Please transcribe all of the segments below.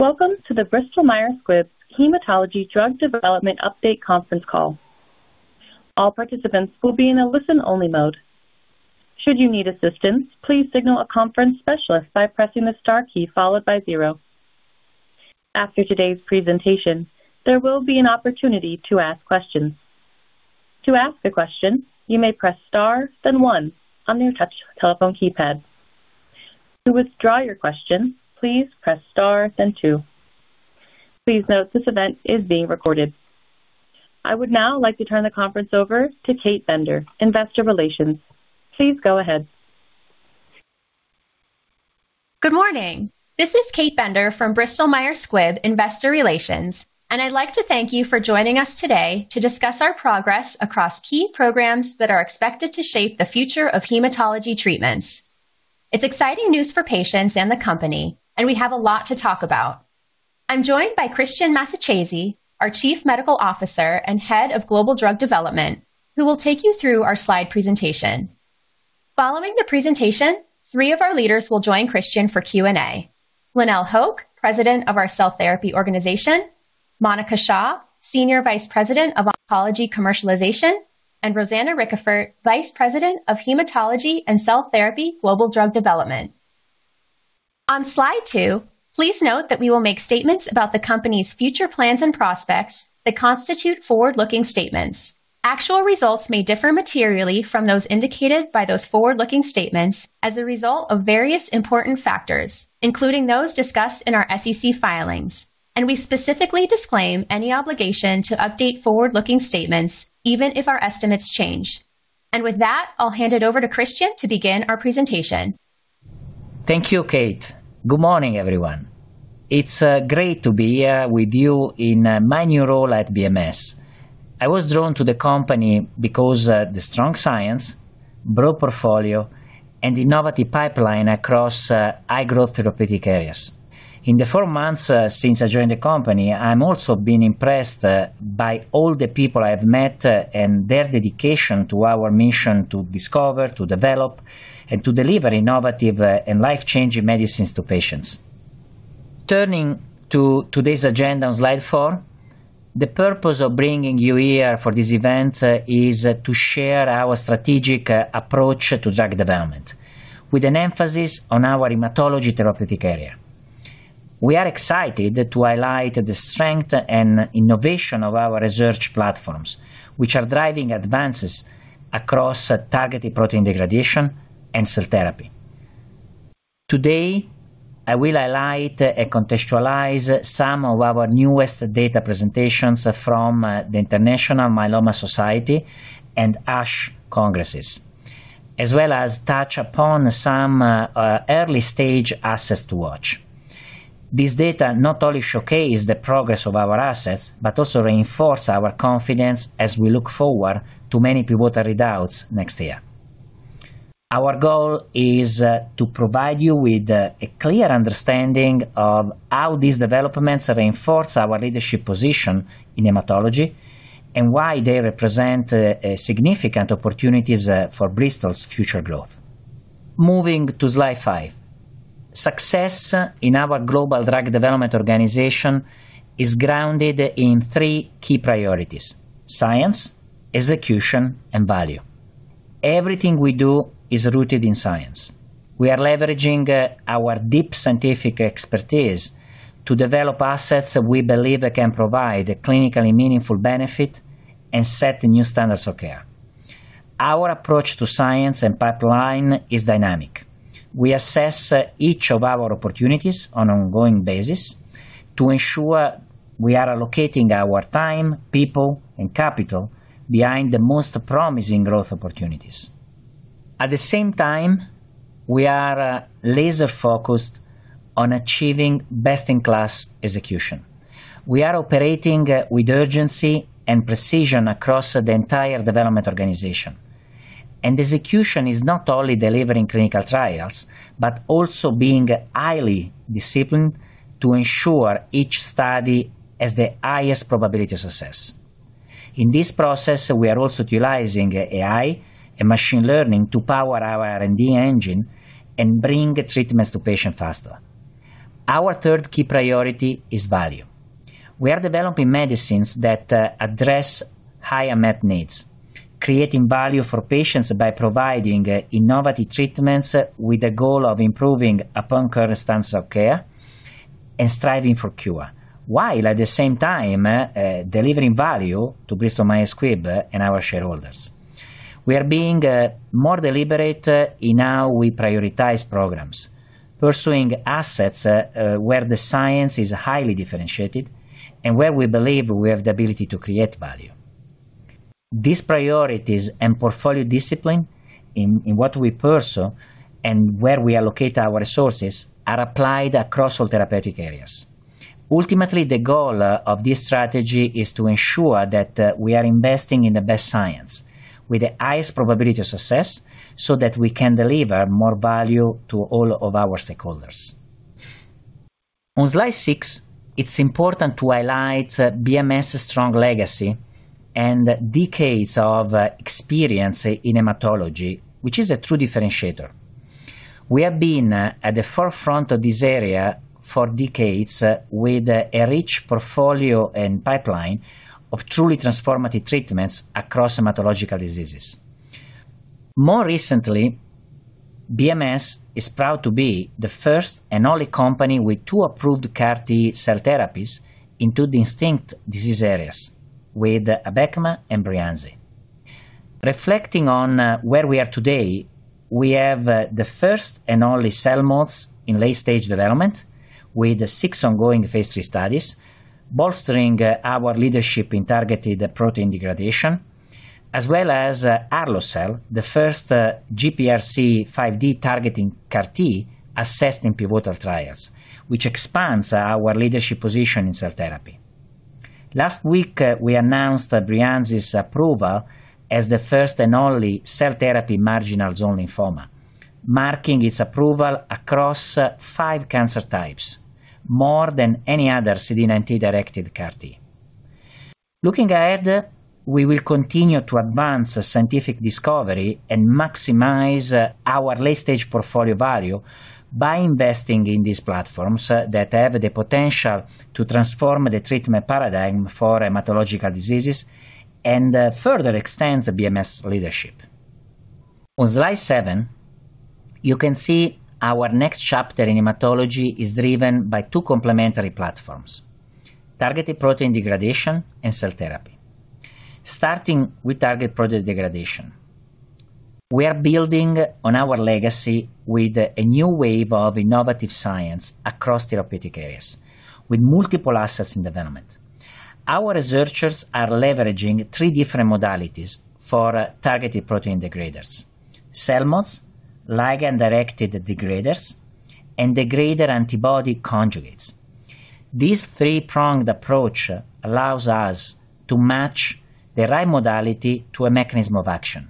Welcome to the Bristol Myers Squibb Hematology Drug Development Update conference call. All participants will be in a listen-only mode. Should you need assistance, please signal a conference specialist by pressing the star key followed by zero. After today's presentation, there will be an opportunity to ask questions. To ask a question, you may press star, then one, on your touch telephone keypad. To withdraw your question, please press star, then two. Please note this event is being recorded. I would now like to turn the conference over to Kate Bender, Investor Relations. Please go ahead. Good morning. This is Kate Bender from Bristol Myers Squibb Investor Relations, and I'd like to thank you for joining us today to discuss our progress across key programs that are expected to shape the future of hematology treatments. It's exciting news for patients and the company, and we have a lot to talk about. I'm joined by Christian Massacesi, our Chief Medical Officer and Head of Global Drug Development, who will take you through our slide presentation. Following the presentation, three of our leaders will join Christian for Q&A: Lynelle Hoch, President of our Cell Therapy Organization; Monica Shaw, Senior Vice President of Oncology Commercialization; and Rosanna Ricafort, Vice President of Hematology and Cell Therapy Global Drug Development. On slide two, please note that we will make statements about the company's future plans and prospects that constitute forward-looking statements. Actual results may differ materially from those indicated by those forward-looking statements as a result of various important factors, including those discussed in our SEC filings, and we specifically disclaim any obligation to update forward-looking statements even if our estimates change, and with that, I'll hand it over to Christian to begin our presentation. Thank you, Kate. Good morning, everyone. It's great to be here with you in my new role at BMS. I was drawn to the company because of the strong science, broad portfolio, and innovative pipeline across high-growth therapeutic areas. In the four months since I joined the company, I've also been impressed by all the people I've met and their dedication to our mission to discover, to develop, and to deliver innovative and life-changing medicines to patients. Turning to today's agenda on slide four, the purpose of bringing you here for this event is to share our strategic approach to drug development, with an emphasis on our hematology therapeutic area. We are excited to highlight the strength and innovation of our research platforms, which are driving advances across targeted protein degradation and cell therapy. Today, I will highlight and contextualize some of our newest data presentations from the International Myeloma Society and ASH Congresses, as well as touch upon some early-stage assets to watch. This data not only showcases the progress of our assets but also reinforces our confidence as we look forward to many pivotal results next year. Our goal is to provide you with a clear understanding of how these developments reinforce our leadership position in hematology and why they represent significant opportunities for Bristol's future growth. Moving to slide five, success in our Global Drug Development Organization is grounded in three key priorities: science, execution, and value. Everything we do is rooted in science. We are leveraging our deep scientific expertise to develop assets that we believe can provide a clinically meaningful benefit and set new standards of care. Our approach to science and pipeline is dynamic. We assess each of our opportunities on an ongoing basis to ensure we are allocating our time, people, and capital behind the most promising growth opportunities. At the same time, we are laser-focused on achieving best-in-class execution. We are operating with urgency and precision across the entire development organization, and execution is not only delivering clinical trials but also being highly disciplined to ensure each study has the highest probability of success. In this process, we are also utilizing AI and machine learning to power our R&D engine and bring treatments to patients faster. Our third key priority is value. We are developing medicines that address higher met needs, creating value for patients by providing innovative treatments with the goal of improving upon current standards of care and striving for cure, while at the same time delivering value to Bristol Myers Squibb and our shareholders. We are being more deliberate in how we prioritize programs, pursuing assets where the science is highly differentiated and where we believe we have the ability to create value. These priorities and portfolio discipline in what we pursue and where we allocate our resources are applied across all therapeutic areas. Ultimately, the goal of this strategy is to ensure that we are investing in the best science with the highest probability of success so that we can deliver more value to all of our stakeholders. On slide six, it's important to highlight BMS's strong legacy and decades of experience in hematology, which is a true differentiator. We have been at the forefront of this area for decades with a rich portfolio and pipeline of truly transformative treatments across hematological diseases. More recently, BMS is proud to be the first and only company with two approved CAR-T cell therapies in two distinct disease areas, with Abecma and Breyanzi. Reflecting on where we are today, we have the first and only CELMoD in late-stage development with six ongoing phase three studies, bolstering our leadership in targeted protein degradation, as well as arlo-cel, the first GPRC5D-targeting CAR-T assessed in pivotal trials, which expands our leadership position in cell therapy. Last week, we announced Breyanzi's approval as the first and only Cell Therapy Marginal Zone Lymphoma, marking its approval across five cancer types, more than any other CD19-directed CAR-T. Looking ahead, we will continue to advance scientific discovery and maximize our late-stage portfolio value by investing in these platforms that have the potential to transform the treatment paradigm for hematological diseases and further extend BMS's leadership. On slide seven, you can see our next chapter in hematology is driven by two complementary platforms: targeted protein degradation and cell therapy. Starting with targeted protein degradation, we are building on our legacy with a new wave of innovative science across therapeutic areas, with multiple assets in development. Our researchers are leveraging three different modalities for targeted protein degraders: CELMoDs, ligand-directed degraders, and degrader antibody conjugates. This three-pronged approach allows us to match the right modality to a mechanism of action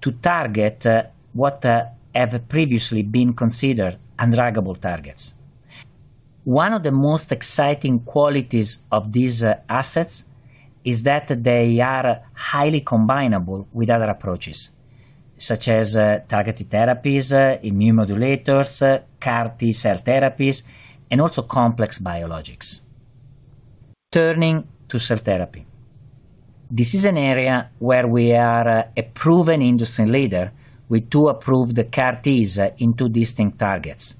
to target what have previously been considered undruggable targets. One of the most exciting qualities of these assets is that they are highly combinable with other approaches, such as targeted therapies, immune modulators, CAR-T cell therapies, and also complex biologics. Turning to cell therapy, this is an area where we are a proven industry leader with two approved CAR-Ts in two distinct targets: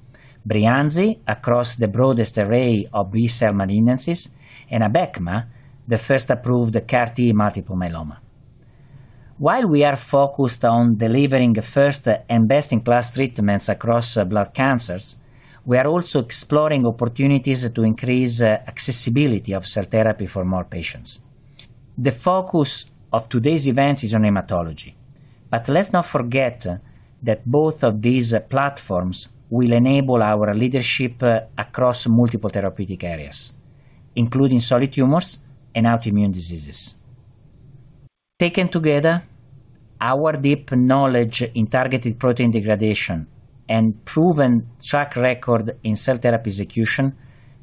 Breyanzi across the broadest array of B-cell malignancies and Abecma, the first approved CAR-T multiple myeloma. While we are focused on delivering the first and best-in-class treatments across blood cancers, we are also exploring opportunities to increase accessibility of cell therapy for more patients. The focus of today's event is on hematology, but let's not forget that both of these platforms will enable our leadership across multiple therapeutic areas, including solid tumors and autoimmune diseases. Taken together, our deep knowledge in targeted protein degradation and proven track record in cell therapy execution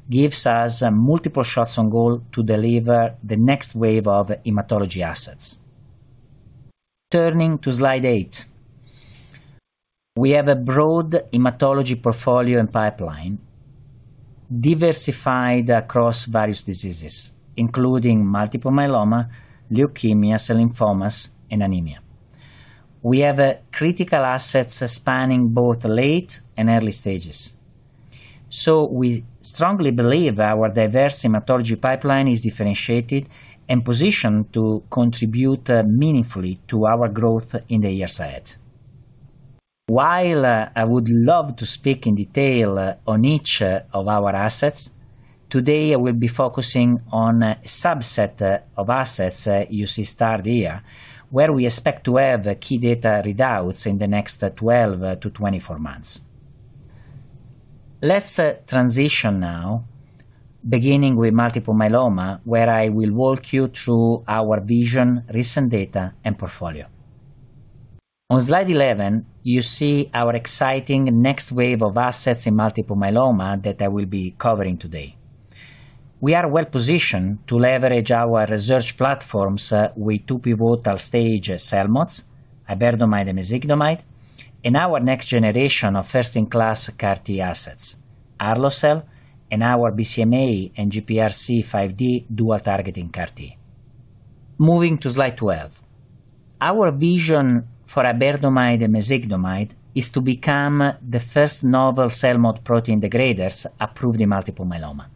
gives us multiple shots on goal to deliver the next wave of hematology assets. Turning to slide eight, we have a broad hematology portfolio and pipeline diversified across various diseases, including multiple myeloma, leukemias, lymphomas, and anemia. We have critical assets spanning both late and early stages. So we strongly believe our diverse hematology pipeline is differentiated and positioned to contribute meaningfully to our growth in the years ahead. While I would love to speak in detail on each of our assets, today I will be focusing on a subset of assets you see starred here, where we expect to have key data readouts in the next 12-24 months. Let's transition now, beginning with multiple myeloma, where I will walk you through our vision, recent data, and portfolio. On slide 11, you see our exciting next wave of assets in multiple myeloma that I will be covering today. We are well-positioned to leverage our research platforms with two pivotal-stage CELMoDs, iberdomide and mezigdomide, and our next generation of first-in-class CAR-T assets, arlo-cel, and our BCMA and GPRC5D dual-targeting CAR-T. Moving to slide 12, our vision for iberdomide and mezigdomide is to become the first novel CELMoD protein degraders approved in multiple myeloma.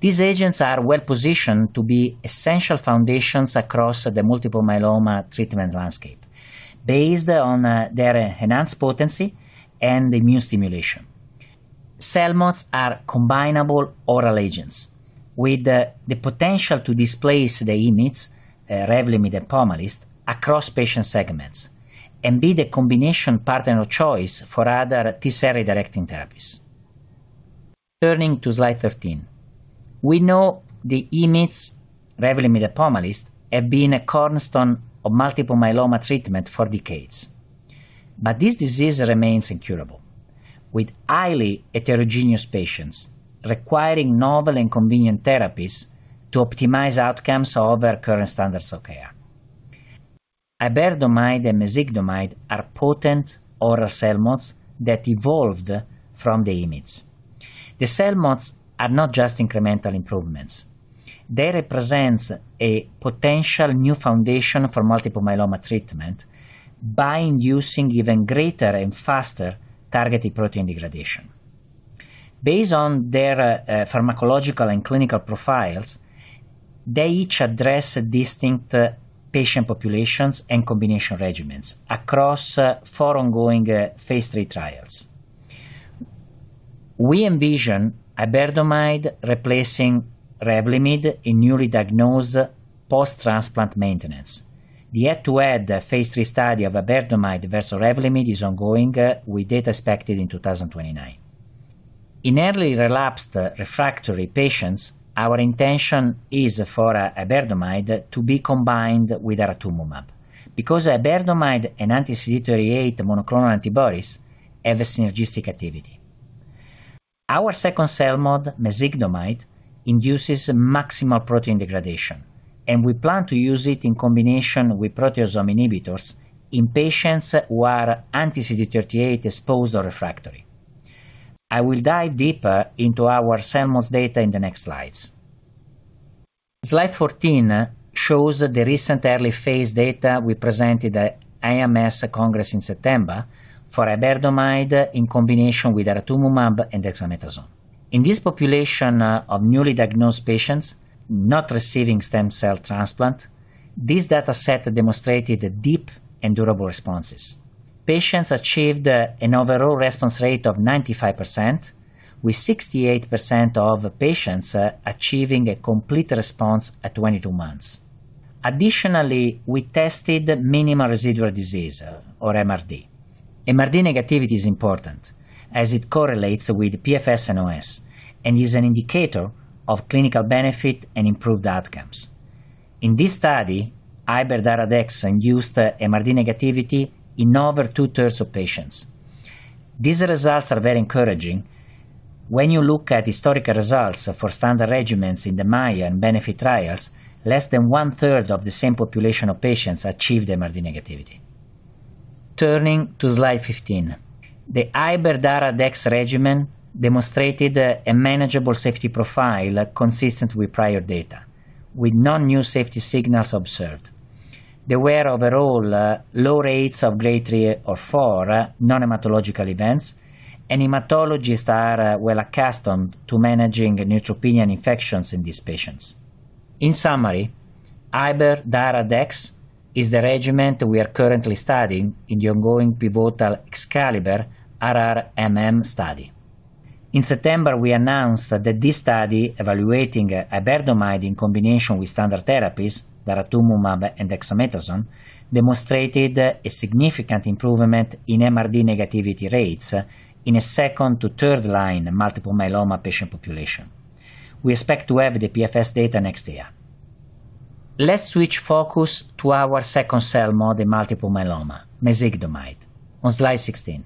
These agents are well-positioned to be essential foundations across the multiple myeloma treatment landscape, based on their enhanced potency and immune stimulation. CELMoDs are combinable oral agents with the potential to displace the IMiDs, Revlimid and Pomalyst, across patient segments and be the combination partner of choice for other T-cell redirecting therapies. Turning to slide 13, we know the IMiDs, Revlimid and Pomalyst, have been a cornerstone of multiple myeloma treatment for decades, but this disease remains incurable, with highly heterogeneous patients requiring novel and convenient therapies to optimize outcomes over current standards of care. Iberdomide and mezigdomide are potent oral CELMoDs that evolved from the IMiDs. The CELMoDs are not just incremental improvements. They represent a potential new foundation for multiple myeloma treatment by inducing even greater and faster targeted protein degradation. Based on their pharmacological and clinical profiles, they each address distinct patient populations and combination regimens across four ongoing phase III trials. We envision iberdomide replacing Revlimid in newly diagnosed post-transplant maintenance. The head-to-head phase III study of iberdomide versus Revlimid is ongoing, with data expected in 2029. In early relapsed refractory patients, our intention is for iberdomide to be combined with daratumumab because iberdomide and anti-CD38 monoclonal antibodies have a synergistic activity. Our second CELMoD, mezigdomide, induces maximal protein degradation, and we plan to use it in combination with proteasome inhibitors in patients who are anti-CD38 exposed or refractory. I will dive deeper into our CELMoDs data in the next slides. Slide 14 shows the recent early phase data we presented at IMS Congress in September for iberdomide in combination with daratumumab and dexamethasone. In this population of newly diagnosed patients not receiving stem cell transplant, this data set demonstrated deep and durable responses. Patients achieved an overall response rate of 95%, with 68% of patients achieving a complete response at 22 months. Additionally, we tested minimal residual disease, or MRD. MRD negativity is important as it correlates with PFS/OS and is an indicator of clinical benefit and improved outcomes. In this trial, Iber-Dara-Dex induced MRD negativity in over two-thirds of patients. These results are very encouraging. When you look at historical results for standard regimens in the MAIA and BENEFIT trials, less than one-third of the same population of patients achieved MRD negativity. Turning to slide 15, the Iber-Dara-Dex regimen demonstrated a manageable safety profile consistent with prior data, with no new safety signals observed. There were overall low rates of grade three or four non-hematological events, and hematologists are well accustomed to managing neutropenia and infections in these patients. In summary, Iber-Dara-Dex is the regimen we are currently studying in the ongoing pivotal EXCALIBER-RRMM study. In September, we announced that this study evaluating iberdomide in combination with standard therapies, daratumumab and dexamethasone, demonstrated a significant improvement in MRD negativity rates in a second- to third-line multiple myeloma patient population. We expect to have the PFS data next year. Let's switch focus to our second CELMoD in multiple myeloma, mezigdomide, on slide 16.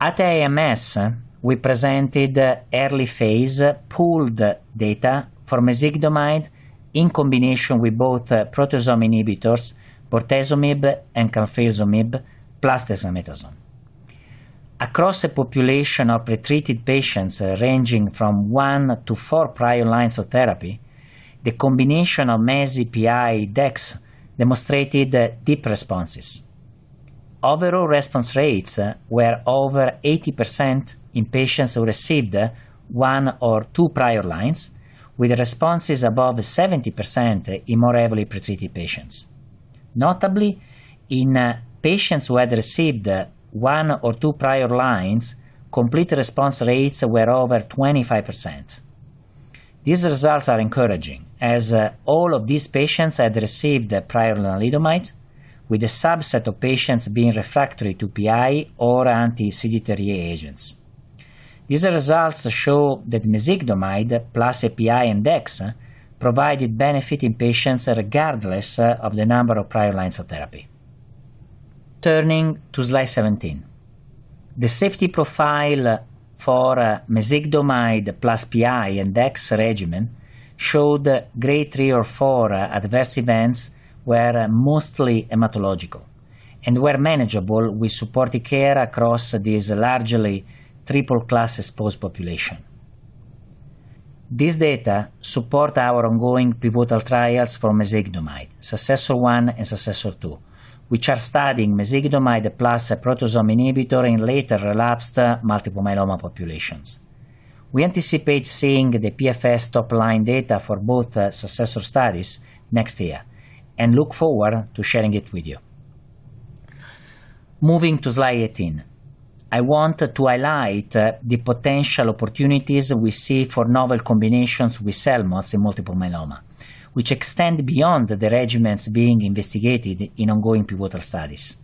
At IMS, we presented early phase pooled data for mezigdomide in combination with both proteasome inhibitors, bortezomib and carfilzomib, plus dexamethasone. Across a population of pretreated patients ranging from one to four prior lines of therapy, the combination of Mezi PI and dex demonstrated deep responses. Overall response rates were over 80% in patients who received one or two prior lines, with responses above 70% in more heavily pretreated patients. Notably, in patients who had received one or two prior lines, complete response rates were over 25%. These results are encouraging as all of these patients had received prior lenalidomide, with a subset of patients being refractory to PI or anti-CD38 agents. These results show that mezigdomide, plus a PI and dex, provided benefit in patients regardless of the number of prior lines of therapy. Turning to slide 17, the safety profile for mezigdomide plus PI and dex regimen showed Grade 3 or 4 adverse events were mostly hematological and were manageable with supportive care across this largely triple-class exposed population. These data support our ongoing pivotal trials for mezigdomide, SUCCESSOR-1 and SUCCESSOR-2, which are studying mezigdomide plus a proteasome inhibitor in later relapsed multiple myeloma populations. We anticipate seeing the PFS top-line data for both successor studies next year and look forward to sharing it with you. Moving to slide 18, I want to highlight the potential opportunities we see for novel combinations with CELMoDs in multiple myeloma, which extend beyond the regimens being investigated in ongoing pivotal studies.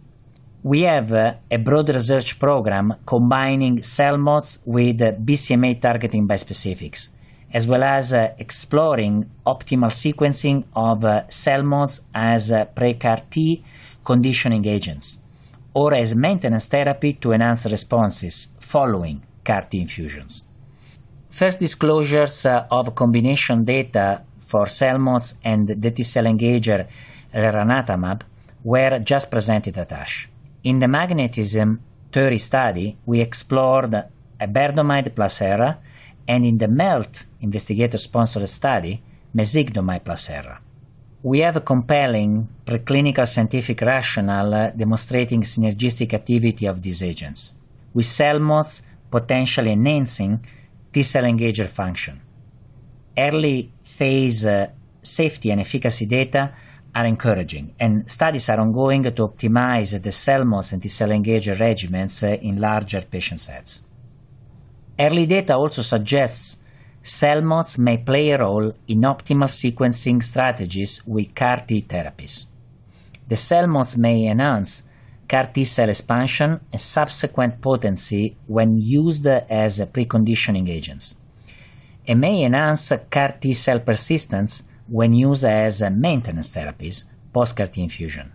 We have a broad research program combining CELMoDs with BCMA targeting bispecifics, as well as exploring optimal sequencing of CELMoDs as pre-CAR-T conditioning agents or as maintenance therapy to enhance responses following CAR-T infusions. First disclosures of combination data for CELMoDs and the T-cell engager, elranatamab, were just presented at ASH. In the MagnetisMM study, we explored iberdomide plus Elra, and in the MELT investigator-sponsored study, mezigdomide plus Elra. We have a compelling preclinical scientific rationale demonstrating synergistic activity of these agents, with CELMoDs potentially enhancing T-cell engager function. Early phase safety and efficacy data are encouraging, and studies are ongoing to optimize the CELMoDs and T-cell engager regimens in larger patient sets. Early data also suggests CELMoDs may play a role in optimal sequencing strategies with CAR-T therapies. The CELMoDs may enhance CAR-T cell expansion and subsequent potency when used as preconditioning agents. It may enhance CAR-T cell persistence when used as maintenance therapies post-CAR-T infusion.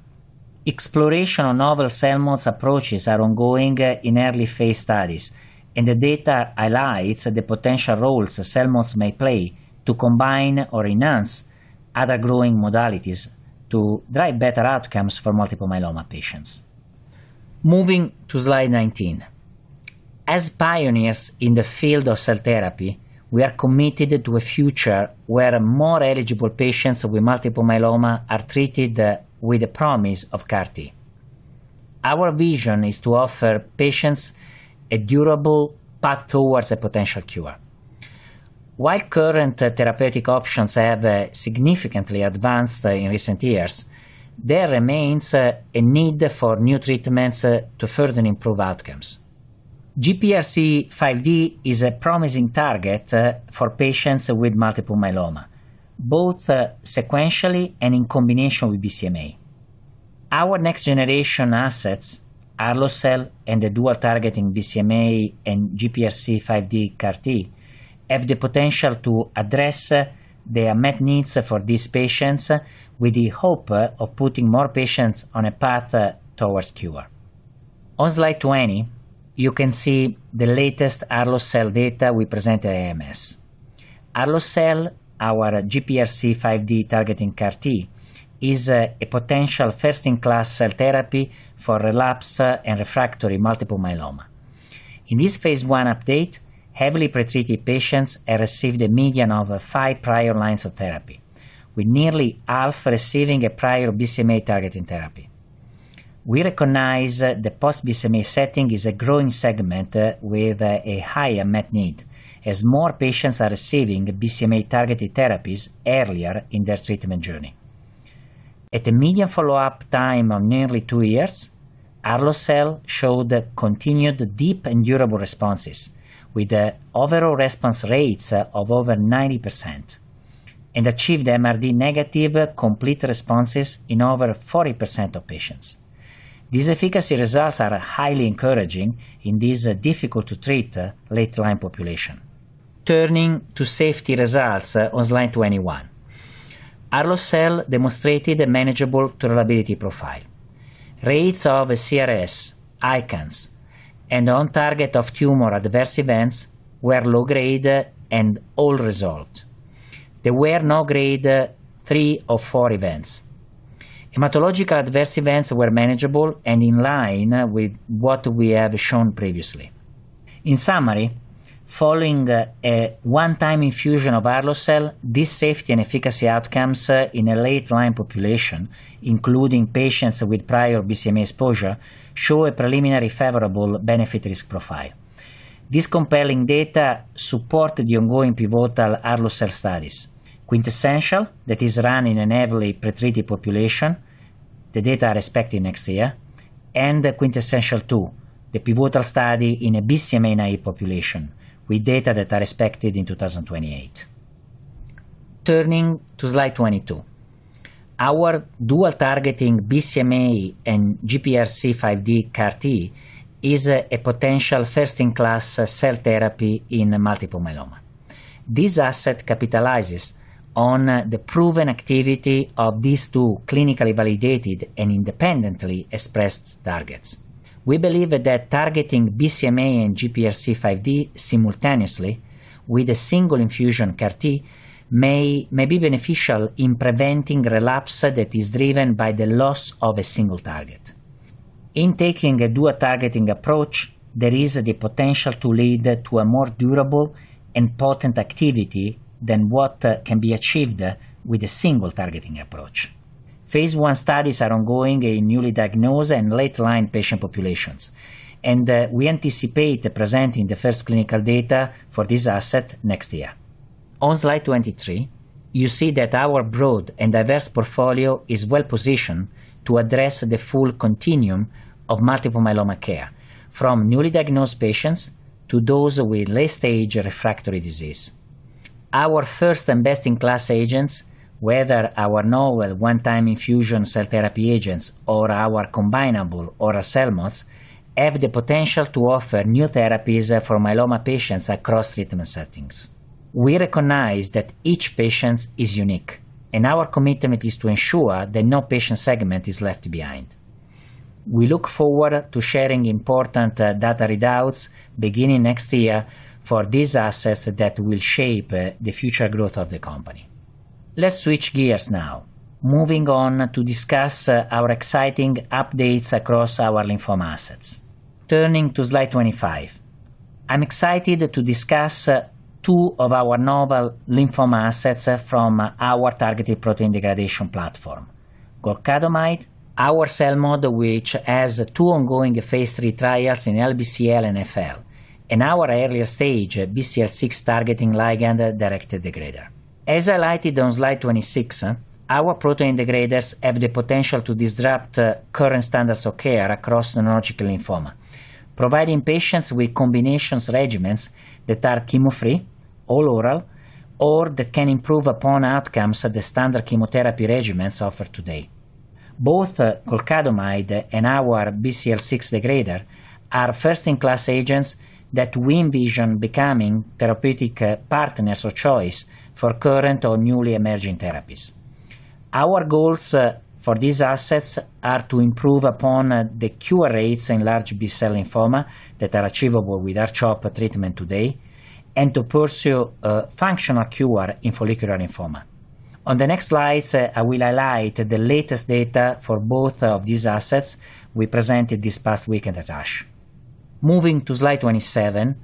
Exploration of novel CELMoD approaches are ongoing in early phase studies, and the data highlights the potential roles CELMoDs may play to combine or enhance other growing modalities to drive better outcomes for multiple myeloma patients. Moving to slide 19, as pioneers in the field of cell therapy, we are committed to a future where more eligible patients with multiple myeloma are treated with the promise of CAR-T. Our vision is to offer patients a durable path toward a potential cure. While current therapeutic options have significantly advanced in recent years, there remains a need for new treatments to further improve outcomes. GPRC5D is a promising target for patients with multiple myeloma, both sequentially and in combination with BCMA. Our next generation assets, arlo-cel and the dual-targeting BCMA and GPRC5D CAR-T, have the potential to address their unmet needs for these patients with the hope of putting more patients on a path toward cure. On slide 20, you can see the latest arlo-cel data we presented at IMS. Arlo-cel, our GPRC5D targeting CAR-T, is a potential first-in-class cell therapy for relapsed and refractory multiple myeloma. In this phase I update, heavily pretreated patients have received a median of five prior lines of therapy, with nearly half receiving a prior BCMA targeting therapy. We recognize the post-BCMA setting is a growing segment with a higher unmet need as more patients are receiving BCMA targeted therapies earlier in their treatment journey. At a median follow-up time of nearly two years, arlo-cel showed continued deep and durable responses with overall response rates of over 90% and achieved MRD negative complete responses in over 40% of patients. These efficacy results are highly encouraging in this difficult-to-treat late-line population. Turning to safety results on slide 21, arlo-cel demonstrated a manageable tolerability profile. Rates of CRS, ICANS, and on-target off-tumor adverse events were low-grade and all resolved. There were no Grade 3 or 4 events. Hematological adverse events were manageable and in line with what we have shown previously. In summary, following a one-time infusion of arlo-cel these safety and efficacy outcomes in a late-line population, including patients with prior BCMA exposure, show a preliminary favorable benefit-risk profile. This compelling data supports the ongoing pivotal arlo-cel studies. QUINTESSENTIAL, that is run in a heavily pretreated population, the data are expected next year, and QUINTESSENTIAL-2, the pivotal study in a BCMA-naïve population with data that are expected in 2028. Turning to slide 22, our dual-targeting BCMA and GPRC5D CAR-T is a potential first-in-class cell therapy in multiple myeloma. This asset capitalizes on the proven activity of these two clinically validated and independently expressed targets. We believe that targeting BCMA and GPRC5D simultaneously with a single infusion CAR-T may be beneficial in preventing relapse that is driven by the loss of a single target. In taking a dual-targeting approach, there is the potential to lead to a more durable and potent activity than what can be achieved with a single-targeting approach. phase I studies are ongoing in newly diagnosed and late-line patient populations, and we anticipate presenting the first clinical data for this asset next year. On slide 23, you see that our broad and diverse portfolio is well-positioned to address the full continuum of multiple myeloma care, from newly diagnosed patients to those with late-stage refractory disease. Our first and best-in-class agents, whether our novel one-time infusion cell therapy agents or our combinable or CELMoDs, have the potential to offer new therapies for myeloma patients across treatment settings. We recognize that each patient is unique, and our commitment is to ensure that no patient segment is left behind. We look forward to sharing important data readouts beginning next year for these assets that will shape the future growth of the company. Let's switch gears now, moving on to discuss our exciting updates across our lymphoma assets. Turning to slide 25, I'm excited to discuss two of our novel lymphoma assets from our targeted protein degradation platform, golcadomide, our CELMoD, which has two ongoing phase III trials in LBCL and FL, and our earlier stage BCL6 targeting ligand-directed degrader. As highlighted on slide 26, our protein degraders have the potential to disrupt current standards of care across non-Hodgkin lymphoma, providing patients with combination regimens that are chemo-free, all-oral, or that can improve upon outcomes of the standard chemotherapy regimens offered today. Both golcadomide and our BCL6 degrader are first-in-class agents that we envision becoming therapeutic partners of choice for current or newly emerging therapies. Our goals for these assets are to improve upon the cure rates in large B-cell lymphoma that are achievable with R-CHOP treatment today and to pursue a functional cure in follicular lymphoma. On the next slides, I will highlight the latest data for both of these assets we presented this past weekend at ASH. Moving to slide 27,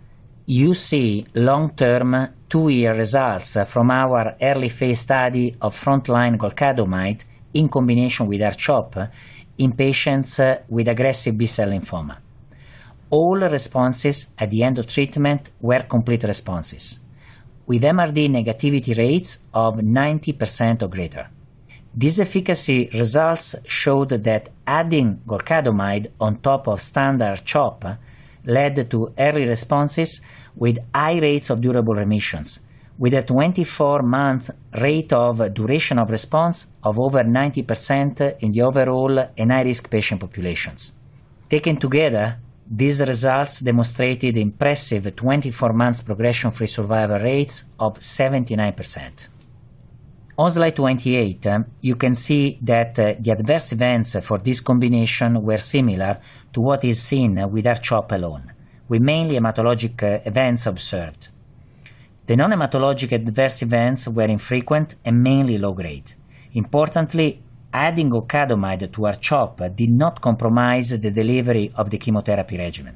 you see long-term two-year results from our early phase study of front-line golcadomide in combination with R-CHOP in patients with aggressive B-cell lymphoma. All responses at the end of treatment were complete responses, with MRD negativity rates of 90% or greater. These efficacy results showed that adding golcadomide on top of standard R-CHOP led to early responses with high rates of durable remissions, with a 24-month rate of duration of response of over 90% in the overall NHL risk patient populations. Taken together, these results demonstrated impressive 24-month progression-free survival rates of 79%. On slide 28, you can see that the adverse events for this combination were similar to what is seen with R-CHOP alone, with mainly hematologic events observed. The non-hematologic adverse events were infrequent and mainly low-grade. Importantly, adding golcadomide to R-CHOP did not compromise the delivery of the chemotherapy regimen.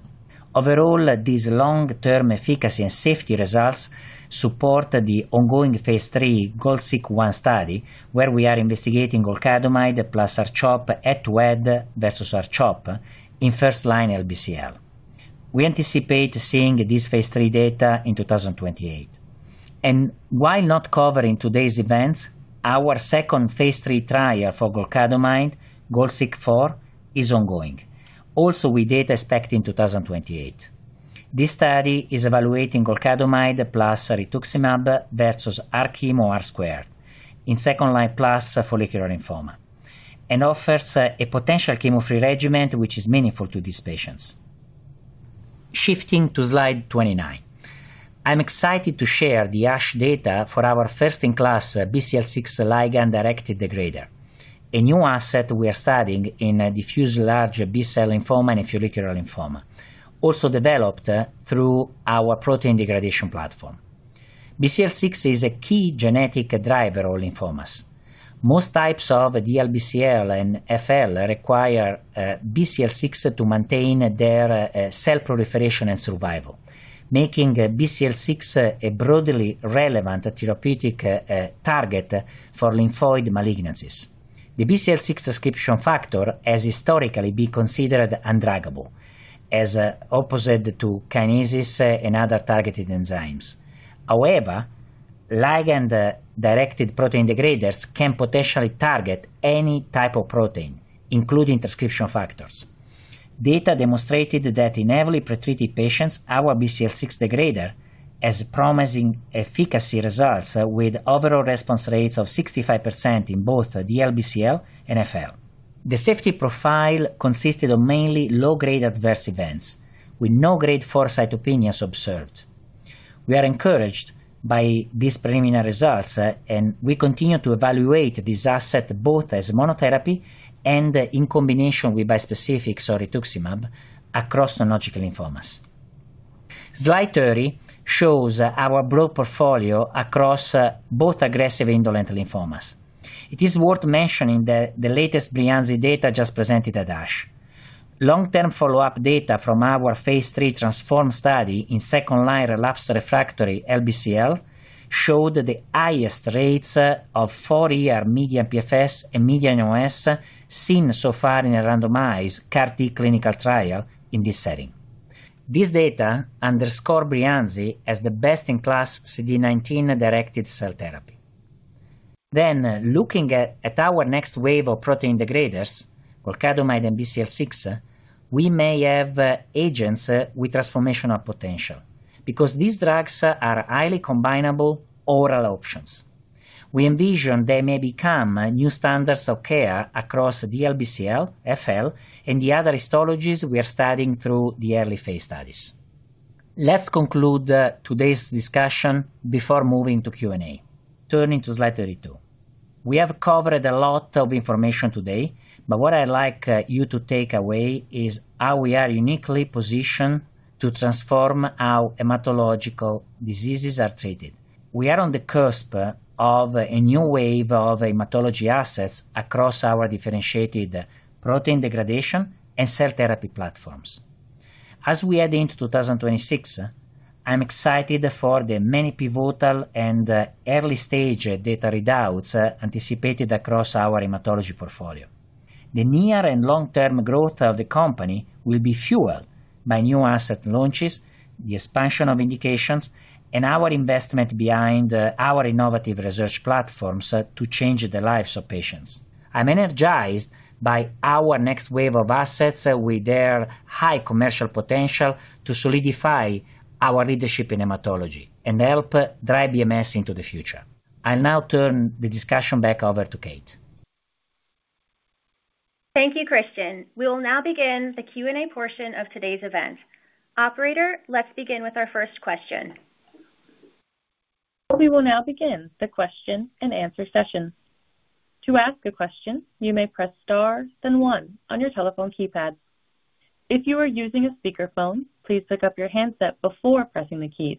Overall, these long-term efficacy and safety results support the ongoing phase III GOLSEEK-1 study, where we are investigating golcadomide plus R-CHOP head-to-head versus R-CHOP in first-line LBCL. We anticipate seeing this phase III data in 2028, and while not covering today's events, our second phase III trial for golcadomide, GOLSEEK-4, is ongoing, also with data expected in 2028. This study is evaluating golcadomide plus rituximab versus R-chemo or R-squared in second-line plus follicular lymphoma and offers a potential chemo-free regimen which is meaningful to these patients. Shifting to slide 29, I'm excited to share the ASH data for our first-in-class BCL6 ligand-directed degrader, a new asset we are studying in diffuse large B-cell lymphoma and follicular lymphoma, also developed through our protein degradation platform. BCL6 is a key genetic driver of lymphomas. Most types of DLBCL and FL require BCL6 to maintain their cell proliferation and survival, making BCL6 a broadly relevant therapeutic target for lymphoid malignancies. The BCL6 transcription factor has historically been considered undraggable, as opposed to kinases and other targeted enzymes. However, ligand-directed protein degraders can potentially target any type of protein, including transcription factors. Data demonstrated that in heavily pretreated patients, our BCL6 degrader has promising efficacy results with overall response rates of 65% in both DLBCL and FL. The safety profile consisted of mainly low-grade adverse events, with no Grade 4 cytopenias observed. We are encouraged by these preliminary results, and we continue to evaluate this asset both as a monotherapy and in combination with bispecifics or rituximab across non-Hodgkin lymphomas. Slide 30 shows our broad portfolio across both aggressive and indolent lymphomas. It is worth mentioning the latest Breyanzi data just presented at ASH. Long-term follow-up data from our phase III TRANSFORM study in second-line relapsed refractory LBCL showed the highest rates of 40-month median PFS and median OS seen so far in a randomized CAR-T clinical trial in this setting. This data underscores Breyanzi as the best-in-class CD19-directed cell therapy. Then, looking at our next wave of protein degraders, golcadomide and BCL6, we may have agents with transformational potential because these drugs are highly combinable oral options. We envision they may become new standards of care across DLBCL, FL, and the other histologies we are studying through the early phase studies. Let's conclude today's discussion before moving to Q&A. Turning to slide 32, we have covered a lot of information today, but what I'd like you to take away is how we are uniquely positioned to transform how hematological diseases are treated. We are on the cusp of a new wave of hematology assets across our differentiated protein degradation and cell therapy platforms. As we head into 2026, I'm excited for the many pivotal and early-stage data readouts anticipated across our hematology portfolio. The near and long-term growth of the company will be fueled by new asset launches, the expansion of indications, and our investment behind our innovative research platforms to change the lives of patients. I'm energized by our next wave of assets with their high commercial potential to solidify our leadership in hematology and help drive BMS into the future. I'll now turn the discussion back over to Kate. Thank you, Christian. We will now begin the Q&A portion of today's event. Operator, let's begin with our first question. We will now begin the question and answer session. To ask a question, you may press star, then one on your telephone keypad. If you are using a speakerphone, please pick up your handset before pressing the keys.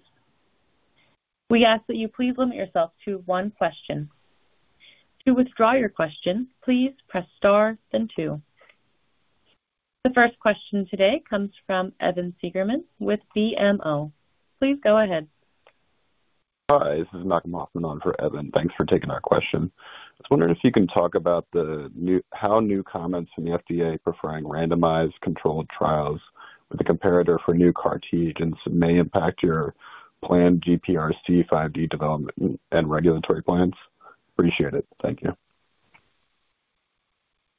We ask that you please limit yourself to one question. To withdraw your question, please press star, then two. The first question today comes from Evan Seigerman with BMO. Please go ahead. Hi, this is Malcolm Hoffman on for Evan. Thanks for taking our question. I was wondering if you can talk about how new comments from the FDA preferring randomized controlled trials with a comparator for new CAR-T agents may impact your planned GPRC5D development and regulatory plans. Appreciate it. Thank you.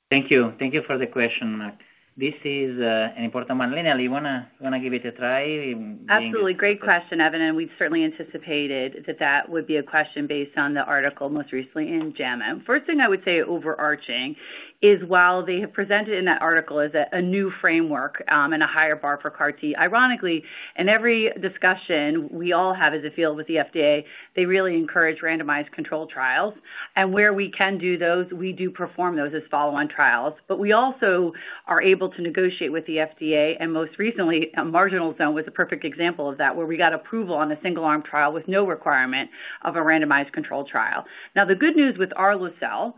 Thank you. Thank you for the question, Malcolm. This is an important one. Lynelle, do you want to give it a try? Absolutely. Great question, Evan. And we've certainly anticipated that that would be a question based on the article most recently in JAMA. First thing I would say overarching is while they have presented in that article as a new framework and a higher bar for CAR-T, ironically, in every discussion we all have as a field with the FDA, they really encourage randomized controlled trials, and where we can do those, we do perform those as follow-on trials. But we also are able to negotiate with the FDA, and most recently, marginal zone was a perfect example of that, where we got approval on a single-arm trial with no requirement of a randomized controlled trial. Now, the good news with our arlo-cel,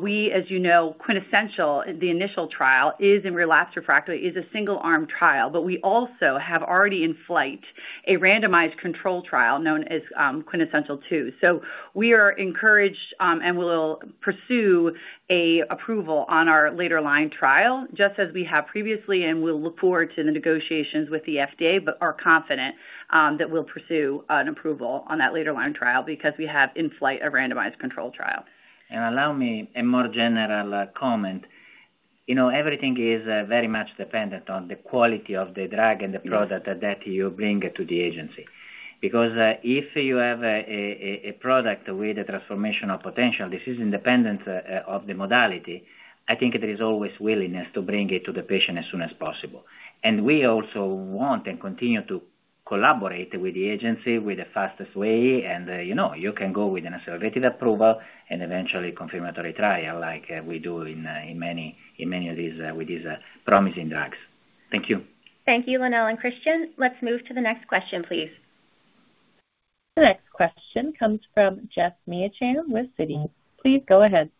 we, as you know, QUINTESSENTIAL, the initial trial in relapsed refractory, is a single-arm trial. But we also have already in flight a randomized controlled trial known as QUINTESSENTIAL-2, so we are encouraged and will pursue an approval on our later-line trial, just as we have previously. And we'll look forward to the negotiations with the FDA, but are confident that we'll pursue an approval on that later-line trial because we have in flight a randomized controlled trial. And allow me a more general comment. Everything is very much dependent on the quality of the drug and the product that you bring to the agency. Because if you have a product with a transformational potential, this is independent of the modality. I think there is always willingness to bring it to the patient as soon as possible. And we also want and continue to collaborate with the agency with the fastest way. And you can go with an assertive approval and eventually confirmatory trial like we do in many of these with these promising drugs. Thank you. Thank you, Lynelle and Christian. Let's move to the next question, please. The next question comes from Geoff Meacham with Citi. Please go ahead.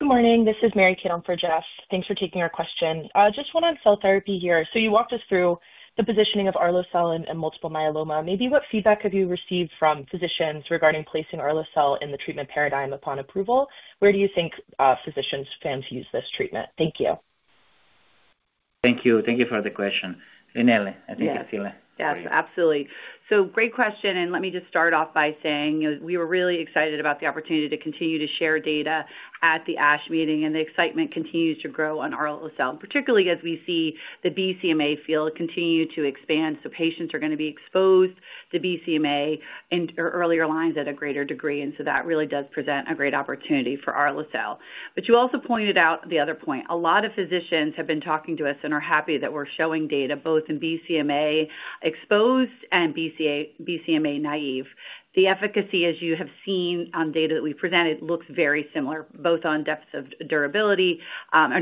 Good morning. This is Mary Kate for Jeff. Thanks for taking our question. Just one on cell therapy here. So you walked us through the positioning of arlo-cel in multiple myeloma. Maybe what feedback have you received from physicians regarding placing arlo-cel in the treatment paradigm upon approval? Where do you think physicians fancy this treatment? Thank you. Thank you. Thank you for the question. Lynelle, I think you field it. Yes. Yes, absolutely. So great question. And let me just start off by saying we were really excited about the opportunity to continue to share data at the ASH meeting. And the excitement continues to grow on our arlo-cel particularly as we see the BCMA field continue to expand. So patients are going to be exposed to BCMA and earlier lines at a greater degree. And so that really does present a great opportunity for our arlo-cel. But you also pointed out the other point. A lot of physicians have been talking to us and are happy that we're showing data both in BCMA-exposed and BCMA-naïve. The efficacy, as you have seen on data that we presented, looks very similar, both on depth of durability,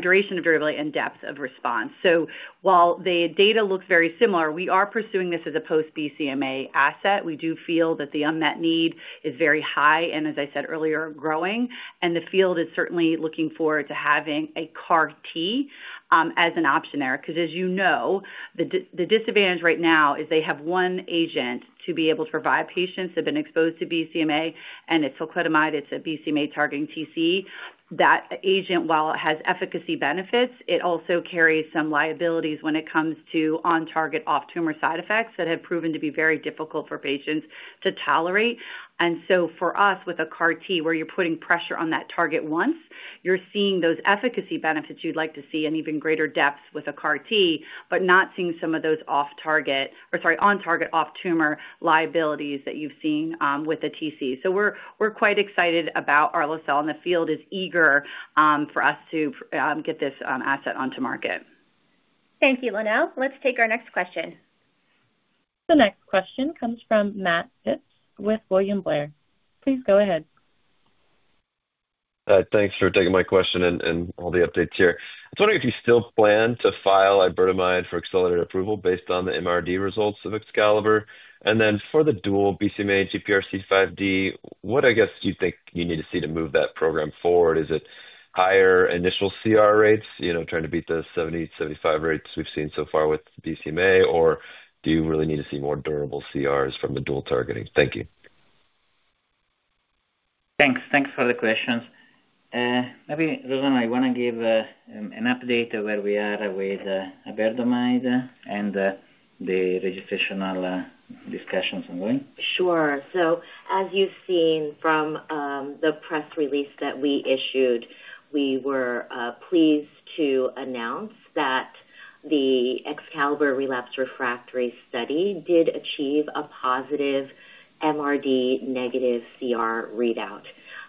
duration of durability, and depth of response. So while the data looks very similar, we are pursuing this as a post-BCMA asset. We do feel that the unmet need is very high and, as I said earlier, growing. And the field is certainly looking forward to having a CAR-T as an option there. Because as you know, the disadvantage right now is they have one agent to be able to provide patients that have been exposed to BCMA. And it's teclistamab. It's a BCMA targeting TCE. That agent, while it has efficacy benefits, it also carries some liabilities when it comes to on-target, off-tumor side effects that have proven to be very difficult for patients to tolerate. And so for us, with a CAR-T, where you're putting pressure on that target once, you're seeing those efficacy benefits you'd like to see and even greater depths with a CAR-T, but not seeing some of those off-target or, sorry, on-target, off-tumor liabilities that you've seen with the TC. So we're quite excited about our arlo-cel. And the field is eager for us to get this asset onto market. Thank you, Lynelle. Let's take our next question. The next question comes from Matt Phipps with William Blair. Please go ahead. Thanks for taking my question and all the updates here. I was wondering if you still plan to file iberdomide for accelerated approval based on the MRD results of EXCALIBER. And then for the dual BCMA and GPRC5D, what, I guess, do you think you need to see to move that program forward? Is it higher initial CR rates, trying to beat the 70-75 rates we've seen so far with BCMA? Or do you really need to see more durable CRs from the dual targeting? Thank you. Thanks. Thanks for the questions. Maybe, Lynelle, I want to give an update of where we are with iberdomide and the registrational discussions ongoing. Sure. So as you've seen from the press release that we issued, we were pleased to announce that the EXCALIBER Relapsed Refractory Study did achieve a positive MRD negative CR readout.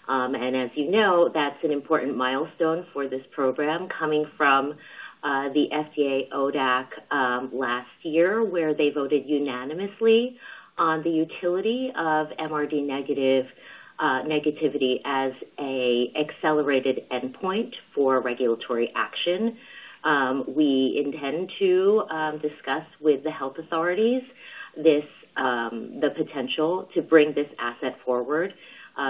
And as you know, that's an important milestone for this program coming from the FDA ODAC last year, where they voted unanimously on the utility of MRD negativity as an accelerated endpoint for regulatory action. We intend to discuss with the health authorities the potential to bring this asset forward.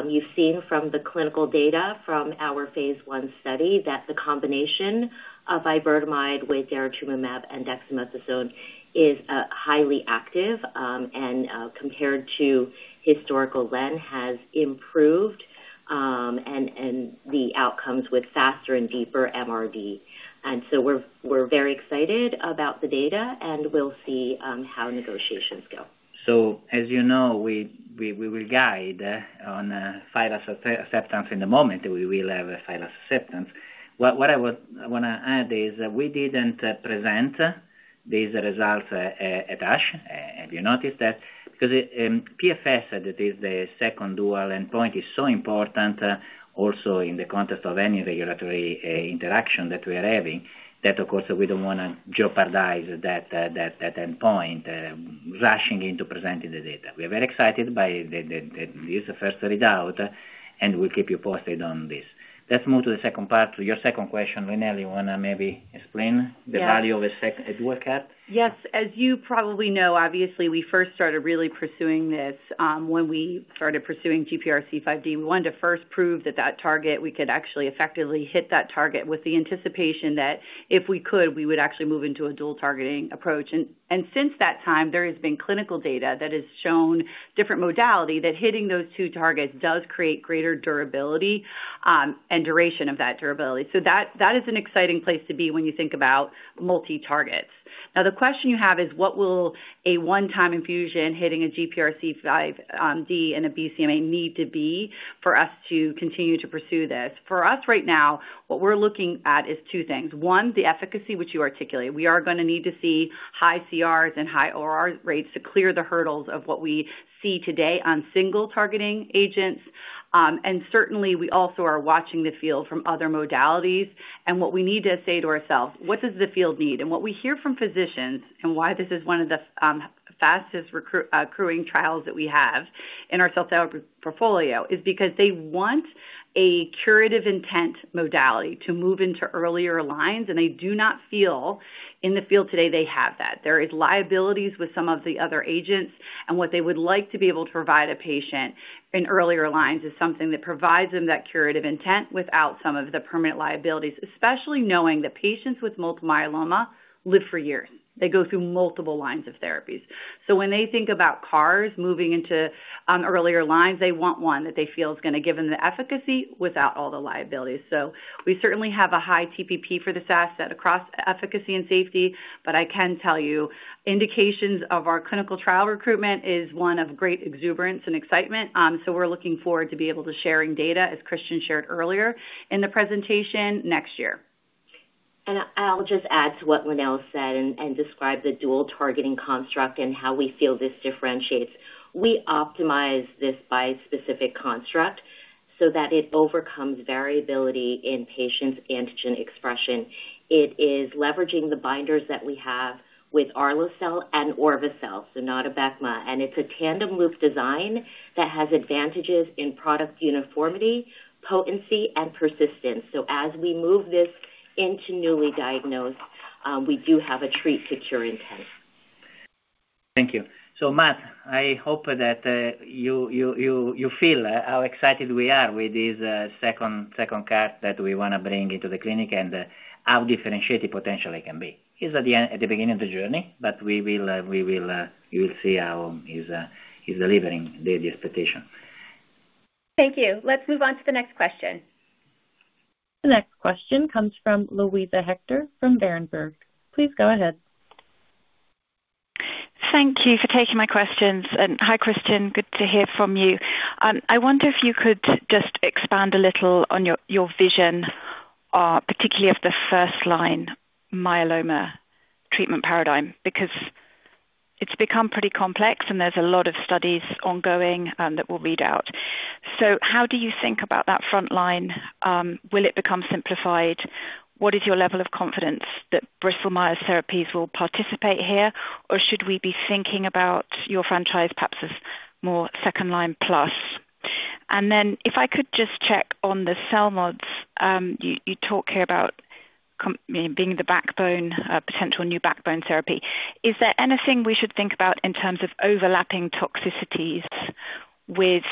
You've seen from the clinical data from our phase one study that the combination of iberdomide with daratumumab and dexamethasone is highly active. And compared to historical Len, it has improved the outcomes with faster and deeper MRD. And so we're very excited about the data. And we'll see how negotiations go. So as you know, we will guide on filing acceptance. At the moment, we will have a filing acceptance. What I want to add is we didn't present these results at ASH. Have you noticed that? Because PFS, that is the second dual endpoint, is so important also in the context of any regulatory interaction that we are having, that, of course, we don't want to jeopardize that endpoint rushing into presenting the data. We are very excited by this first readout, and we'll keep you posted on this. Let's move to the second part, to your second question. Lynelle, you want to maybe explain the value of a dual CAR-T? Yes. As you probably know, obviously, we first started really pursuing this when we started pursuing GPRC5D. We wanted to first prove that that target, we could actually effectively hit that target with the anticipation that if we could, we would actually move into a dual targeting approach. And since that time, there has been clinical data that has shown different modality that hitting those two targets does create greater durability and duration of that durability. So that is an exciting place to be when you think about multi-targets. Now, the question you have is, what will a one-time infusion hitting a GPRC5D and a BCMA need to be for us to continue to pursue this? For us right now, what we're looking at is two things. One, the efficacy, which you articulated. We are going to need to see high CRs and high OR rates to clear the hurdles of what we see today on single-targeting agents. And certainly, we also are watching the field from other modalities. And what we need to say to ourselves, what does the field need? What we hear from physicians and why this is one of the fastest accruing trials that we have in our cell portfolio is because they want a curative intent modality to move into earlier lines. They do not feel in the field today they have that. There are liabilities with some of the other agents. What they would like to be able to provide a patient in earlier lines is something that provides them that curative intent without some of the permanent liabilities, especially knowing that patients with multiple myeloma live for years. They go through multiple lines of therapies. When they think about CARs moving into earlier lines, they want one that they feel is going to give them the efficacy without all the liabilities. We certainly have a high TPP for this asset across efficacy and safety. But I can tell you indications of our clinical trial recruitment is one of great exuberance and excitement. So we're looking forward to be able to share data as Christian shared earlier in the presentation next year. And I'll just add to what Lynelle said and describe the dual targeting construct and how we feel this differentiates. We optimize this by specific construct so that it overcomes variability in patients' antigen expression. It is leveraging the binders that we have with our arlo-cel and orva-cel, so not Abecma. And it's a tandem loop design that has advantages in product uniformity, potency, and persistence. So as we move this into newly diagnosed, we do have a treat to cure intent. Thank you. Matt, I hope that you feel how excited we are with this second CAR-T that we want to bring into the clinic and how differentiated potentially it can be. It's at the beginning of the journey. But we will see how he's delivering the expectation. Thank you. Let's move on to the next question. The next question comes from Luisa Hector from Berenberg. Please go ahead. Thank you for taking my questions. And hi, Christian. Good to hear from you. I wonder if you could just expand a little on your vision, particularly of the first-line myeloma treatment paradigm. Because it's become pretty complex. And there's a lot of studies ongoing that we'll read out. So how do you think about that front line? Will it become simplified? What is your level of confidence that Bristol Myers therapies will participate here? Or should we be thinking about your franchise perhaps as more second-line plus? And then if I could just check on the CELMoDs, you talk here about being the backbone, potential new backbone therapy. Is there anything we should think about in terms of overlapping toxicities with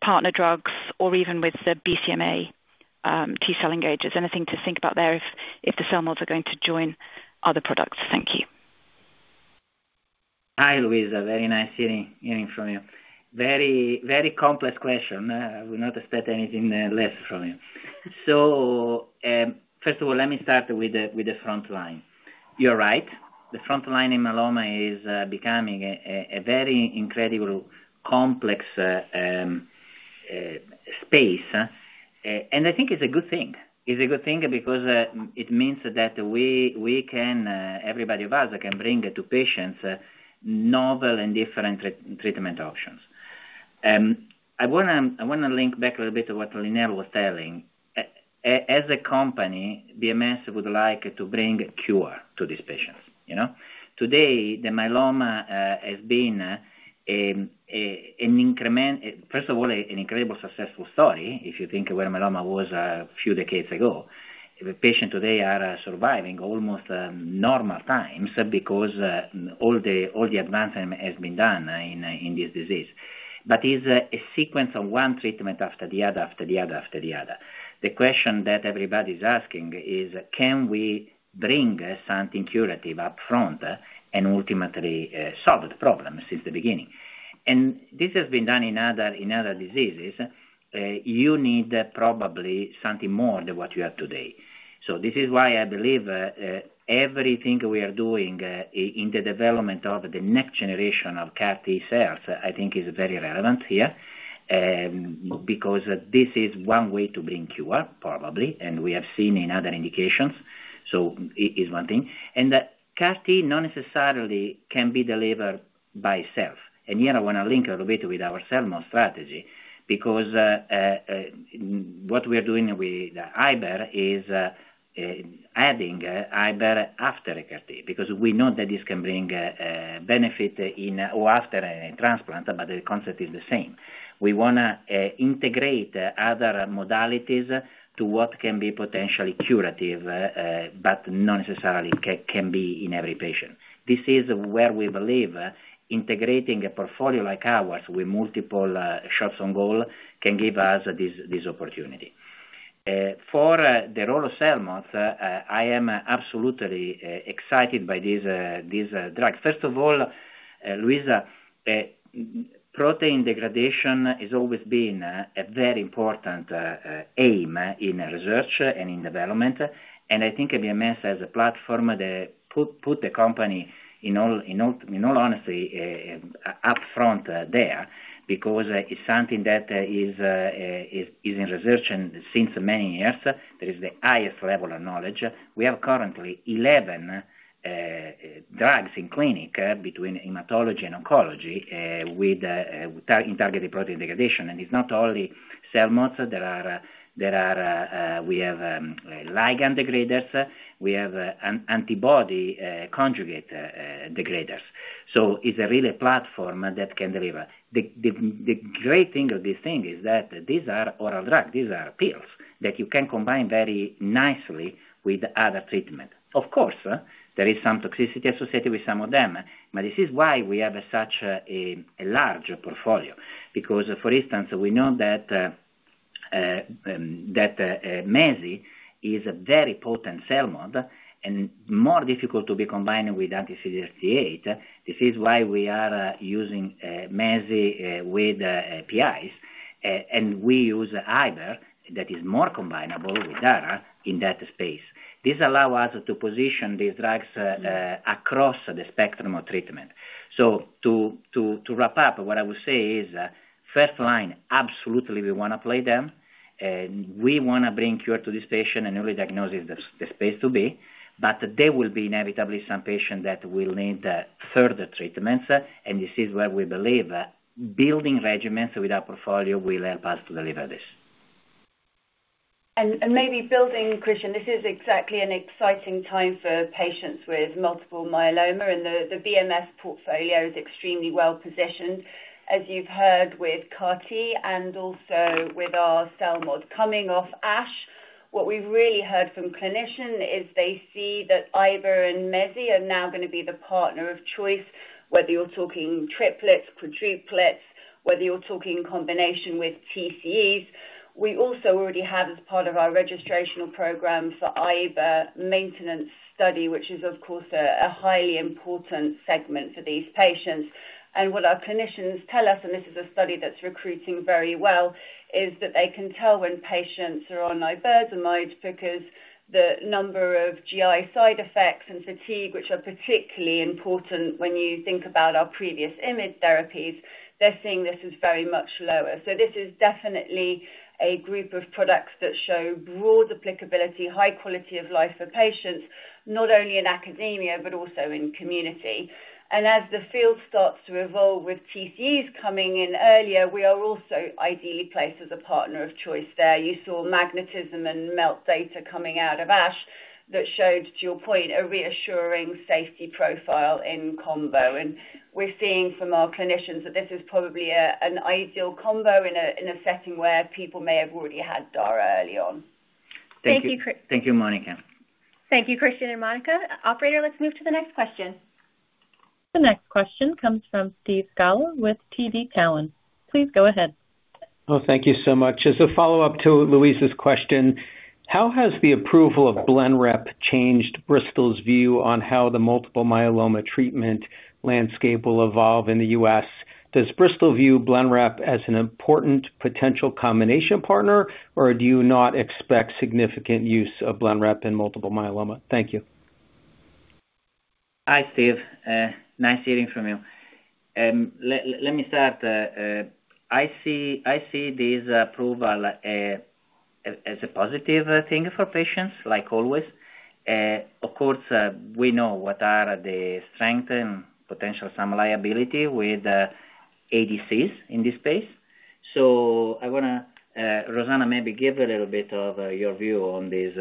partner drugs or even with the BCMA T-cell engagers? Anything to think about there if the CELMoDs are going to join other products? Thank you. Hi, Luisa. Very nice hearing from you. Very complex question. We'll not expect anything less from you. So first of all, let me start with the front line. You're right. The front line in myeloma is becoming a very incredibly complex space. And I think it's a good thing. It's a good thing because it means that everybody of us can bring to patients novel and different treatment options. I want to link back a little bit to what Lynelle was telling. As a company, BMS would like to bring a cure to these patients. Today, the myeloma has been incremental, first of all, an incredibly successful story. If you think where myeloma was a few decades ago, the patients today are surviving almost normal times because all the advancement has been done in this disease but it's a sequence of one treatment after the other, after the other, after the other. The question that everybody's asking is, can we bring something curative upfront and ultimately solve the problem since the beginning and this has been done in other diseases. You need probably something more than what you have today so this is why I believe everything we are doing in the development of the next generation of CAR-T cells, I think, is very relevant here. Because this is one way to bring cure, probably. And we have seen in other indications. So it is one thing. And CAR-T not necessarily can be delivered by itself. And here I want to link a little bit with our CELMoD strategy. Because what we are doing with Iber is adding Iber after a CAR-T. Because we know that this can bring benefit in or after a transplant. But the concept is the same. We want to integrate other modalities to what can be potentially curative, but not necessarily can be in every patient. This is where we believe integrating a portfolio like ours with multiple shots on goal can give us this opportunity. For the role of CELMoDs, I am absolutely excited by this drug. First of all, Luisa, protein degradation has always been a very important aim in research and in development. I think BMS has a platform that put the company, in all honesty, up front there. Because it's something that is in research and since many years, there is the highest level of knowledge. We have currently 11 drugs in clinic between hematology and oncology with targeted protein degradation. And it's not only CELMoDs. We have ligand degraders. We have antibody conjugate degraders. So it's really a platform that can deliver. The great thing of this thing is that these are oral drugs. These are pills that you can combine very nicely with other treatment. Of course, there is some toxicity associated with some of them. But this is why we have such a large portfolio. Because, for instance, we know that Mezi is a very potent CELMoD and more difficult to be combined with anti-CD38. This is why we are using Mezi with PIs. And we use Iber that is more combinable with Dara in that space. This allows us to position these drugs across the spectrum of treatment. So to wrap up, what I would say is first line, absolutely, we want to play them. We want to bring cure to this patient and newly diagnosed is the space to be. But there will be inevitably some patients that will need further treatments. And this is where we believe building regimens with our portfolio will help us to deliver this. And maybe building, Christian, this is exactly an exciting time for patients with multiple myeloma. And the BMS portfolio is extremely well positioned, as you've heard, with CAR-T and also with our CELMoDs. Coming off ASH, what we've really heard from clinicians is they see that Iber and Mezi are now going to be the partner of choice, whether you're talking triplets, quadruplets, whether you're talking combination with TCEs. We also already have, as part of our registrational program for iber, maintenance study, which is, of course, a highly important segment for these patients, and what our clinicians tell us, and this is a study that's recruiting very well, is that they can tell when patients are on ibers and CELMoDs because the number of GI side effects and fatigue, which are particularly important when you think about our previous IMiD therapies, they're seeing this is very much lower, so this is definitely a group of products that show broad applicability, high quality of life for patients, not only in academia but also in community. And as the field starts to evolve with TCEs coming in earlier, we are also ideally placed as a partner of choice there. You saw MagnetisMM and MELT data coming out of ASH that showed, to your point, a reassuring safety profile in combo. And we're seeing from our clinicians that this is probably an ideal combo in a setting where people may have already had Dara early on. Thank you. Thank you, Monica. Thank you, Christian and Monica. Operator, let's move to the next question. The next question comes from Steve Scala with TD Cowen. Please go ahead. Oh, thank you so much. As a follow-up to Luisa's question, how has the approval of BLENREP changed Bristol's view on how the multiple myeloma treatment landscape will evolve in the U.S.? Does Bristol view BLENREP as an important potential combination partner, or do you not expect significant use of BLENREP in multiple myeloma? Thank you. Hi, Steve. Nice hearing from you. Let me start. I see this approval as a positive thing for patients, like always. Of course, we know what are the strength and potential some liability with ADCs in this space. So I want to, Rosanna, maybe give a little bit of your view on this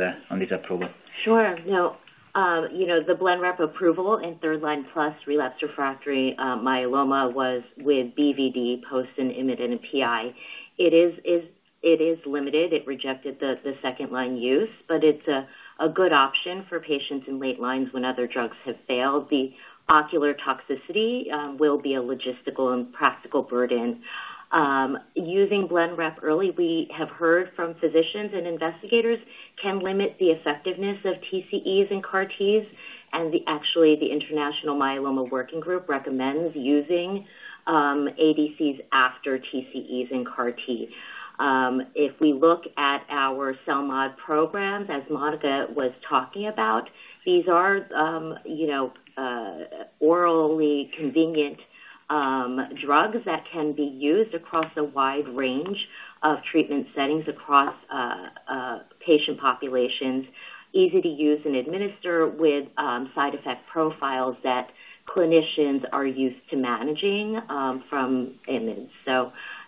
approval. Sure. Now, the BLENREP approval in third-line plus relapsed refractory myeloma was with BVD post and IMiD PI. It is limited. It rejected the second-line use. But it's a good option for patients in late lines when other drugs have failed. The ocular toxicity will be a logistical and practical burden. Using BLENREP early, we have heard from physicians and investigators, can limit the effectiveness of TCEs and CAR-Ts. Actually, the International Myeloma Working Group recommends using ADCs after TCEs and CAR-T. If we look at our CELMoD programs, as Monica was talking about, these are orally convenient drugs that can be used across a wide range of treatment settings across patient populations, easy to use and administer with side effect profiles that clinicians are used to managing from IMiDs.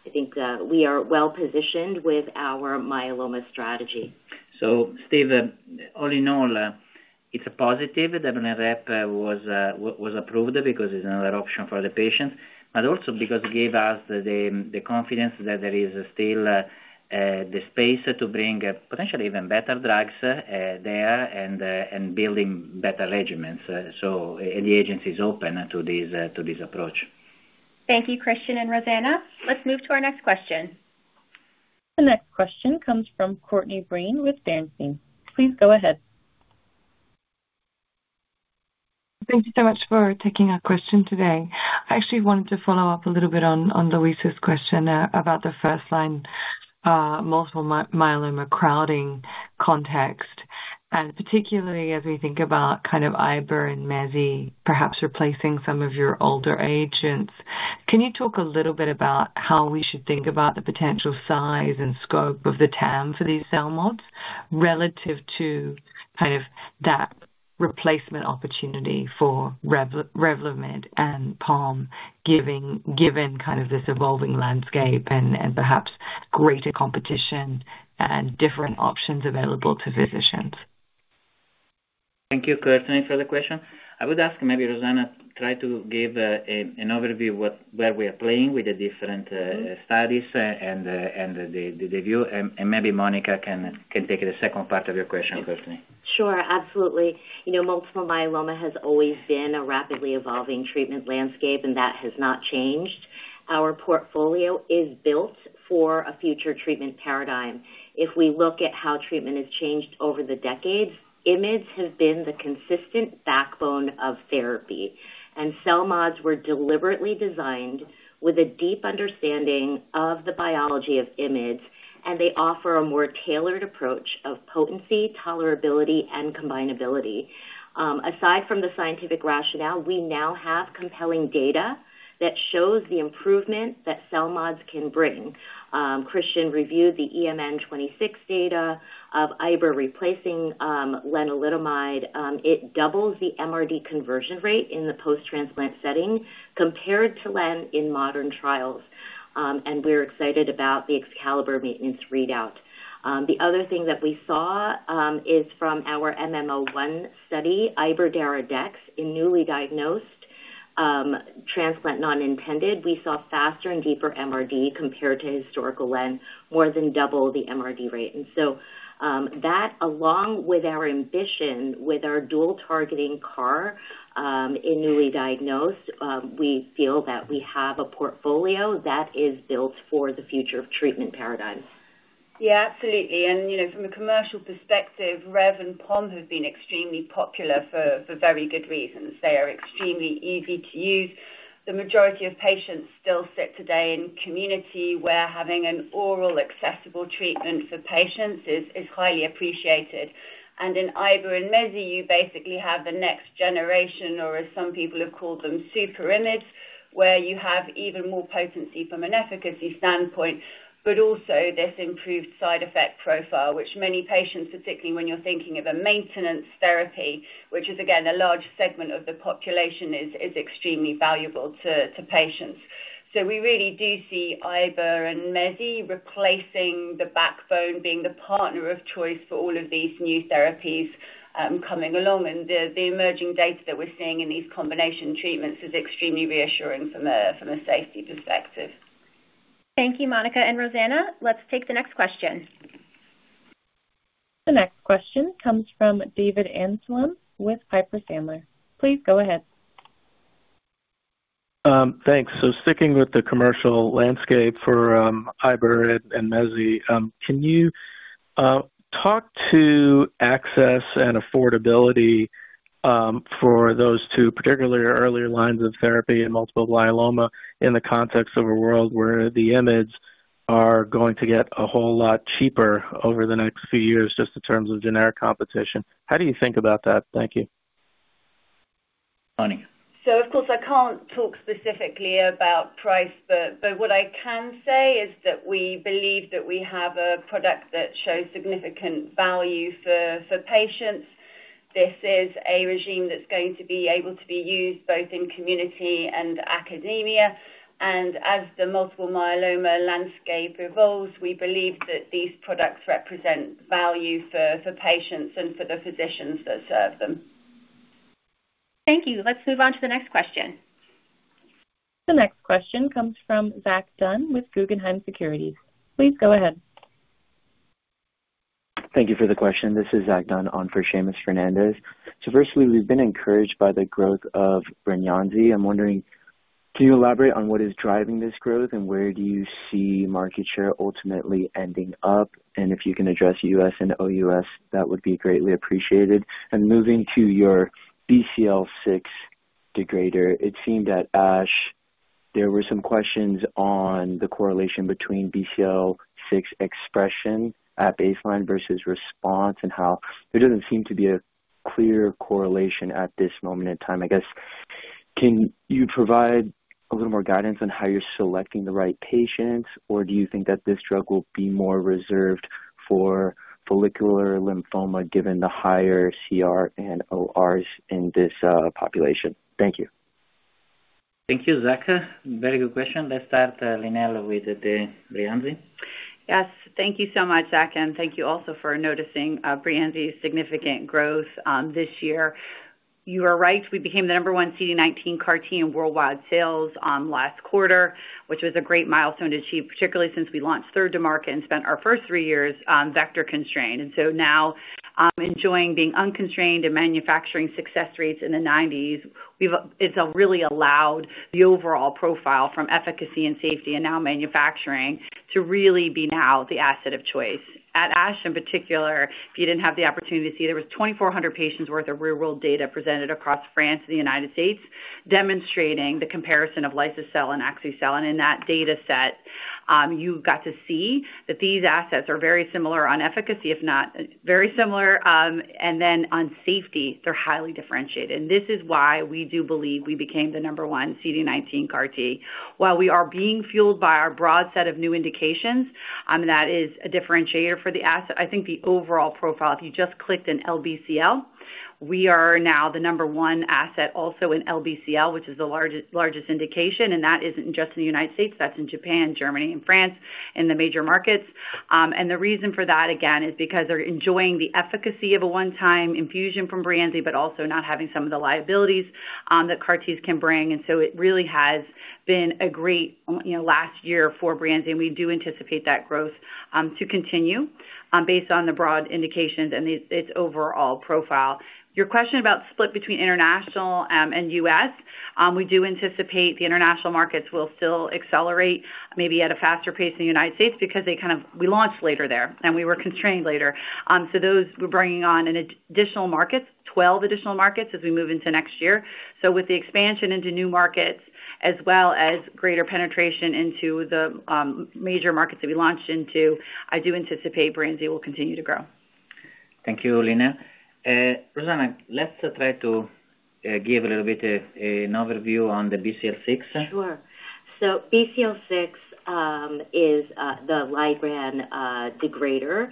I think we are well positioned with our myeloma strategy. Steve, all in all, it's a positive that BLENREP was approved because it's another option for the patients. But also because it gave us the confidence that there is still the space to bring potentially even better drugs there and building better regimens. The agency is open to this approach. Thank you, Christian and Rosanna. Let's move to our next question. The next question comes from Courtney Breen with Bernstein. Please go ahead. Thank you so much for taking our question today. I actually wanted to follow up a little bit on Luisa's question about the first-line multiple myeloma crowding context. And particularly as we think about kind of Iber and Mezi perhaps replacing some of your older agents, can you talk a little bit about how we should think about the potential size and scope of the TAM for these CELMoDs relative to kind of that replacement opportunity for Revlimid and Pom, given kind of this evolving landscape and perhaps greater competition and different options available to physicians? Thank you, Courtney, for the question. I would ask maybe Rosanna try to give an overview of where we are playing with the different studies and the view. And maybe Monica can take the second part of your question, Courtney. Sure. Absolutely. Multiple myeloma has always been a rapidly evolving treatment landscape. That has not changed. Our portfolio is built for a future treatment paradigm. If we look at how treatment has changed over the decades, IMiD has been the consistent backbone of therapy. CELMoDs were deliberately designed with a deep understanding of the biology of IMiD. They offer a more tailored approach of potency, tolerability, and combinability. Aside from the scientific rationale, we now have compelling data that shows the improvement that CELMoDs can bring. Christian reviewed the EMN26 data of Iber replacing lenalidomide. It doubles the MRD conversion rate in the post-transplant setting compared to Len in modern trials. We're excited about the EXCALIBER maintenance readout. The other thing that we saw is from our MM-001 study, Iber-Dara-Dex in newly diagnosed transplant non-intended. We saw faster and deeper MRD compared to historical Len, more than double the MRD rate. And so that, along with our ambition with our dual-targeting CAR-T in newly diagnosed, we feel that we have a portfolio that is built for the future of treatment paradigms. Yeah, absolutely. And from a commercial perspective, Rev and Pom have been extremely popular for very good reasons. They are extremely easy to use. The majority of patients still sit today in community where having an oral accessible treatment for patients is highly appreciated. And in Iber and Mezi, you basically have the next generation, or as some people have called them, super IMiDs, where you have even more potency from an efficacy standpoint. But also this improved side effect profile, which many patients, particularly when you're thinking of a maintenance therapy, which is, again, a large segment of the population, is extremely valuable to patients. We really do see Iber and Mezi replacing the backbone being the partner of choice for all of these new therapies coming along. And the emerging data that we're seeing in these combination treatments is extremely reassuring from a safety perspective. Thank you, Monica. And Rosanna, let's take the next question. The next question comes from David Amsellem with Piper Sandler. Please go ahead. Thanks. So sticking with the commercial landscape for Iber and Mezi, can you talk to access and affordability for those two, particularly earlier lines of therapy in multiple myeloma, in the context of a world where the IMiDs are going to get a whole lot cheaper over the next few years just in terms of generic competition? How do you think about that? Thank you. So of course, I can't talk specifically about price. But what I can say is that we believe that we have a product that shows significant value for patients. This is a regimen that's going to be able to be used both in community and academia. And as the multiple myeloma landscape evolves, we believe that these products represent value for patients and for the physicians that serve them. Thank you. Let's move on to the next question. The next question comes from Zack Dunn with Guggenheim Securities. Please go ahead. Thank you for the question. This is Zack Dunn on for Seamus Fernandez. So firstly, we've been encouraged by the growth of Breyanzi. I'm wondering, can you elaborate on what is driving this growth and where do you see market share ultimately ending up? And if you can address U.S. and OUS, that would be greatly appreciated. And moving to your BCL6 degrader, it seemed at ASH there were some questions on the correlation between BCL6 expression at baseline versus response and how there doesn't seem to be a clear correlation at this moment in time. I guess, can you provide a little more guidance on how you're selecting the right patients, or do you think that this drug will be more reserved for follicular lymphoma given the higher CR and ORs in this population? Thank you. Thank you, Zack. Very good question. Let's start, Lynelle, with the Breyanzi. Yes. Thank you so much, Zack. And thank you also for noticing Breyanzi's significant growth this year. You are right. We became the number one CD19 CAR-T in worldwide sales last quarter, which was a great milestone to achieve, particularly since we launched third to market and spent our first three years vector constrained. And so now, enjoying being unconstrained and manufacturing success rates in the 1990s, it's really allowed the overall profile from efficacy and safety and now manufacturing to really be now the asset of choice. At ASH, in particular, if you didn't have the opportunity to see, there was 2,400 patients' worth of real-world data presented across France and the United States demonstrating the comparison of liso-cel and axi-cel. And in that data set, you got to see that these assets are very similar on efficacy, if not very similar. And then on safety, they're highly differentiated. And this is why we do believe we became the number one CD19 CAR-T. While we are being fueled by our broad set of new indications, that is a differentiator for the asset. I think the overall profile, if you just clicked in LBCL, we are now the number one asset also in LBCL, which is the largest indication. And that isn't just in the United States. That's in Japan, Germany, and France in the major markets. And the reason for that, again, is because they're enjoying the efficacy of a one-time infusion from Breyanzi, but also not having some of the liabilities that CAR-Ts can bring. And so it really has been a great last year for Breyanzi. And we do anticipate that growth to continue based on the broad indications and its overall profile. Your question about split between international and U.S., we do anticipate the international markets will still accelerate maybe at a faster pace in the United States because they kind of we launched later there. And we were constrained later. So those we're bringing on an additional market, 12 additional markets, as we move into next year. So with the expansion into new markets, as well as greater penetration into the major markets that we launched into, I do anticipate Breyanzi will continue to grow. Thank you, Lynelle. Rosanna, let's try to give a little bit of an overview on the BCL6. Sure. So BCL6 is the ligand degrader,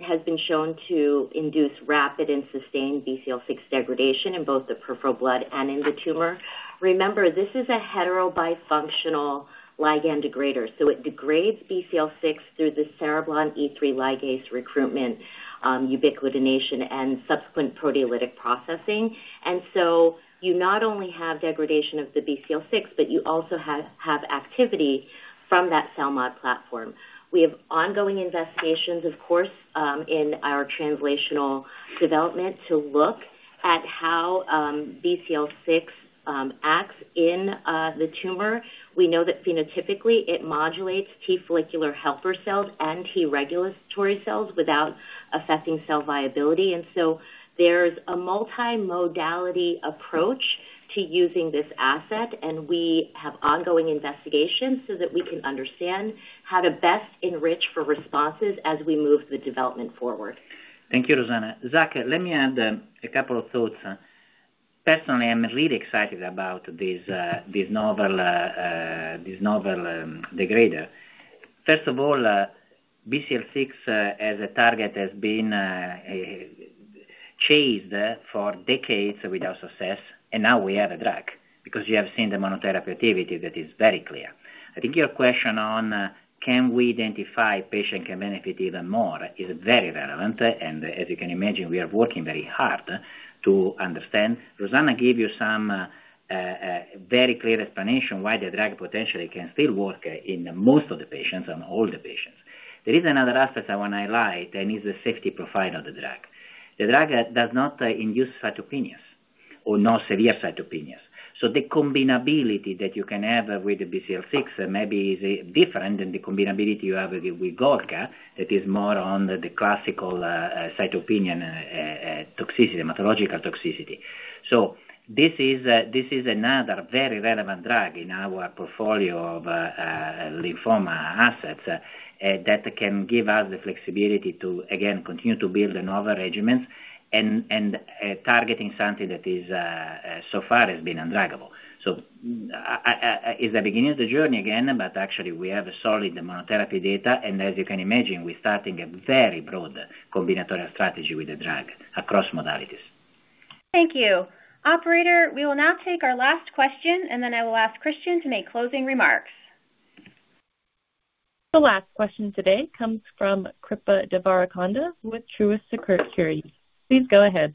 has been shown to induce rapid and sustained BCL6 degradation in both the peripheral blood and in the tumor. Remember, this is a heterobifunctional ligand degrader. So it degrades BCL6 through the Cereblon E3 ligase recruitment, ubiquitination, and subsequent proteolytic processing. And so you not only have degradation of the BCL6, but you also have activity from that CELMoD platform. We have ongoing investigations, of course, in our translational development to look at how BCL6 acts in the tumor. We know that phenotypically it modulates T follicular helper cells and T regulatory cells without affecting cell viability. And so there's a multi-modality approach to using this asset. And we have ongoing investigations so that we can understand how to best enrich for responses as we move the development forward. Thank you, Rosanna. Zack, let me add a couple of thoughts. Personally, I'm really excited about this novel degrader. First of all, BCL6 as a target has been chased for decades without success. And now we have a drug because you have seen the monotherapy activity that is very clear. I think your question on can we identify patient can benefit even more is very relevant. And as you can imagine, we are working very hard to understand. Rosanna gave you some very clear explanation why the drug potentially can still work in most of the patients and all the patients. There is another aspect I want to highlight, and it's the safety profile of the drug. The drug does not induce cytopenias or no severe cytopenias. So the combinability that you can have with the BCL6 maybe is different than the combinability you have with golca that is more on the classical cytopenic toxicity, hematological toxicity. So this is another very relevant drug in our portfolio of lymphoma assets that can give us the flexibility to, again, continue to build another regimen and targeting something that so far has been undruggable. So it's the beginning of the journey again. But actually, we have solid monotherapy data. And as you can imagine, we're starting a very broad combinatorial strategy with the drug across modalities. Thank you. Operator, we will now take our last question and then I will ask Christian to make closing remarks. The last question today comes from Kripa Devarakonda with Truist Securities. Please go ahead.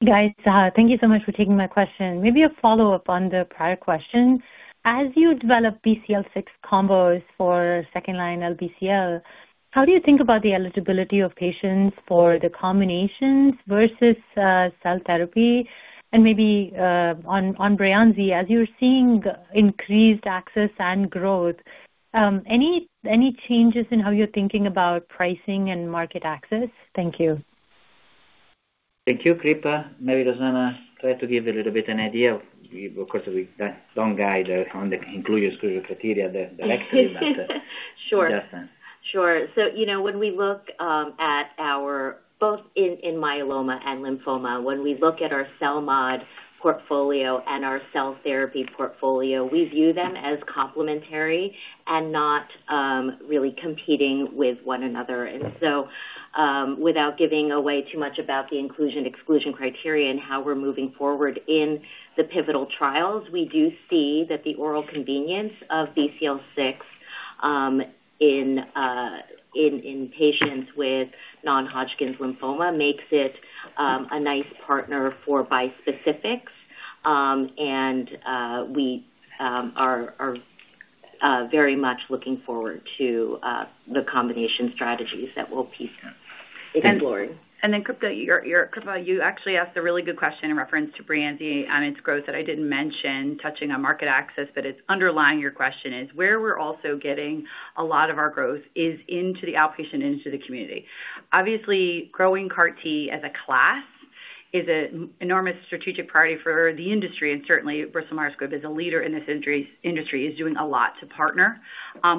Hey, guys. Thank you so much for taking my question. Maybe a follow-up on the prior question. As you develop BCL6 combos for second-line LBCL, how do you think about the eligibility of patients for the combinations versus cell therapy and maybe on Breyanzi, as you're seeing increased access and growth, any changes in how you're thinking about pricing and market access? Thank you. Thank you, Kripa. Maybe Rosanna try to give a little bit of an idea. Of course, we don't guide on the inclusion exclusion criteria directly. Sure. Sure. So when we look at our both in myeloma and lymphoma, when we look at our CELMoD portfolio and our cell therapy portfolio, we view them as complementary and not really competing with one another. And so without giving away too much about the inclusion exclusion criteria and how we're moving forward in the pivotal trials, we do see that the oral convenience of BCL6 in patients with non-Hodgkin's lymphoma makes it a nice partner for bispecifics. And we are very much looking forward to the combination strategies that will keep it exploring. And then Kripa, you actually asked a really good question in reference to Breyanzi and its growth that I didn't mention touching on market access. But its underlying your question is where we're also getting a lot of our growth is into the outpatient and into the community. Obviously, growing CAR-T as a class is an enormous strategic priority for the industry. And certainly, Bristol Myers Squibb as a leader in this industry is doing a lot to partner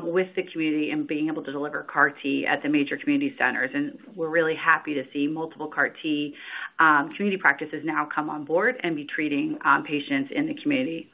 with the community and being able to deliver CAR-T at the major community centers. And we're really happy to see multiple CAR-T community practices now come on board and be treating patients in the community.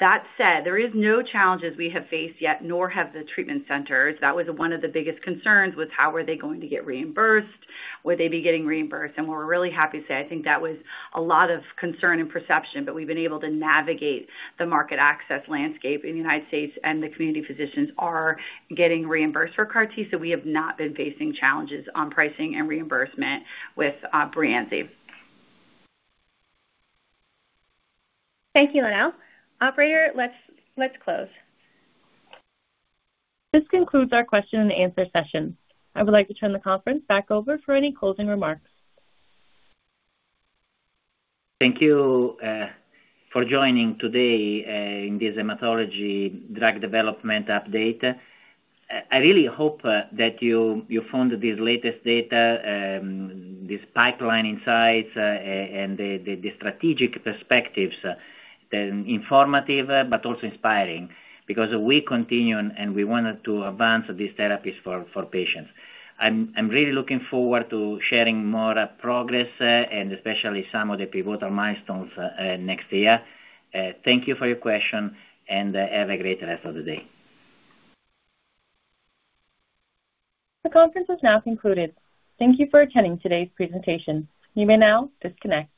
That said, there are no challenges we have faced yet, nor have the treatment centers. That was one of the biggest concerns was how were they going to get reimbursed? Would they be getting reimbursed? And we're really happy to say I think that was a lot of concern and perception. But we've been able to navigate the market access landscape in the United States. And the community physicians are getting reimbursed for CAR-T. So we have not been facing challenges on pricing and reimbursement with Breyanzi. Thank you, Lynelle. Operator, let's close. This concludes our question-and-answer session. I would like to turn the conference back over for any closing remarks. Thank you for joining today in this hematology drug development update. I really hope that you found this latest data, this pipeline insights, and the strategic perspectives informative but also inspiring because we continue and we wanted to advance these therapies for patients. I'm really looking forward to sharing more progress and especially some of the pivotal milestones next year. Thank you for your question and have a great rest of the day. The conference is now concluded. Thank you for attending today's presentation. You may now disconnect.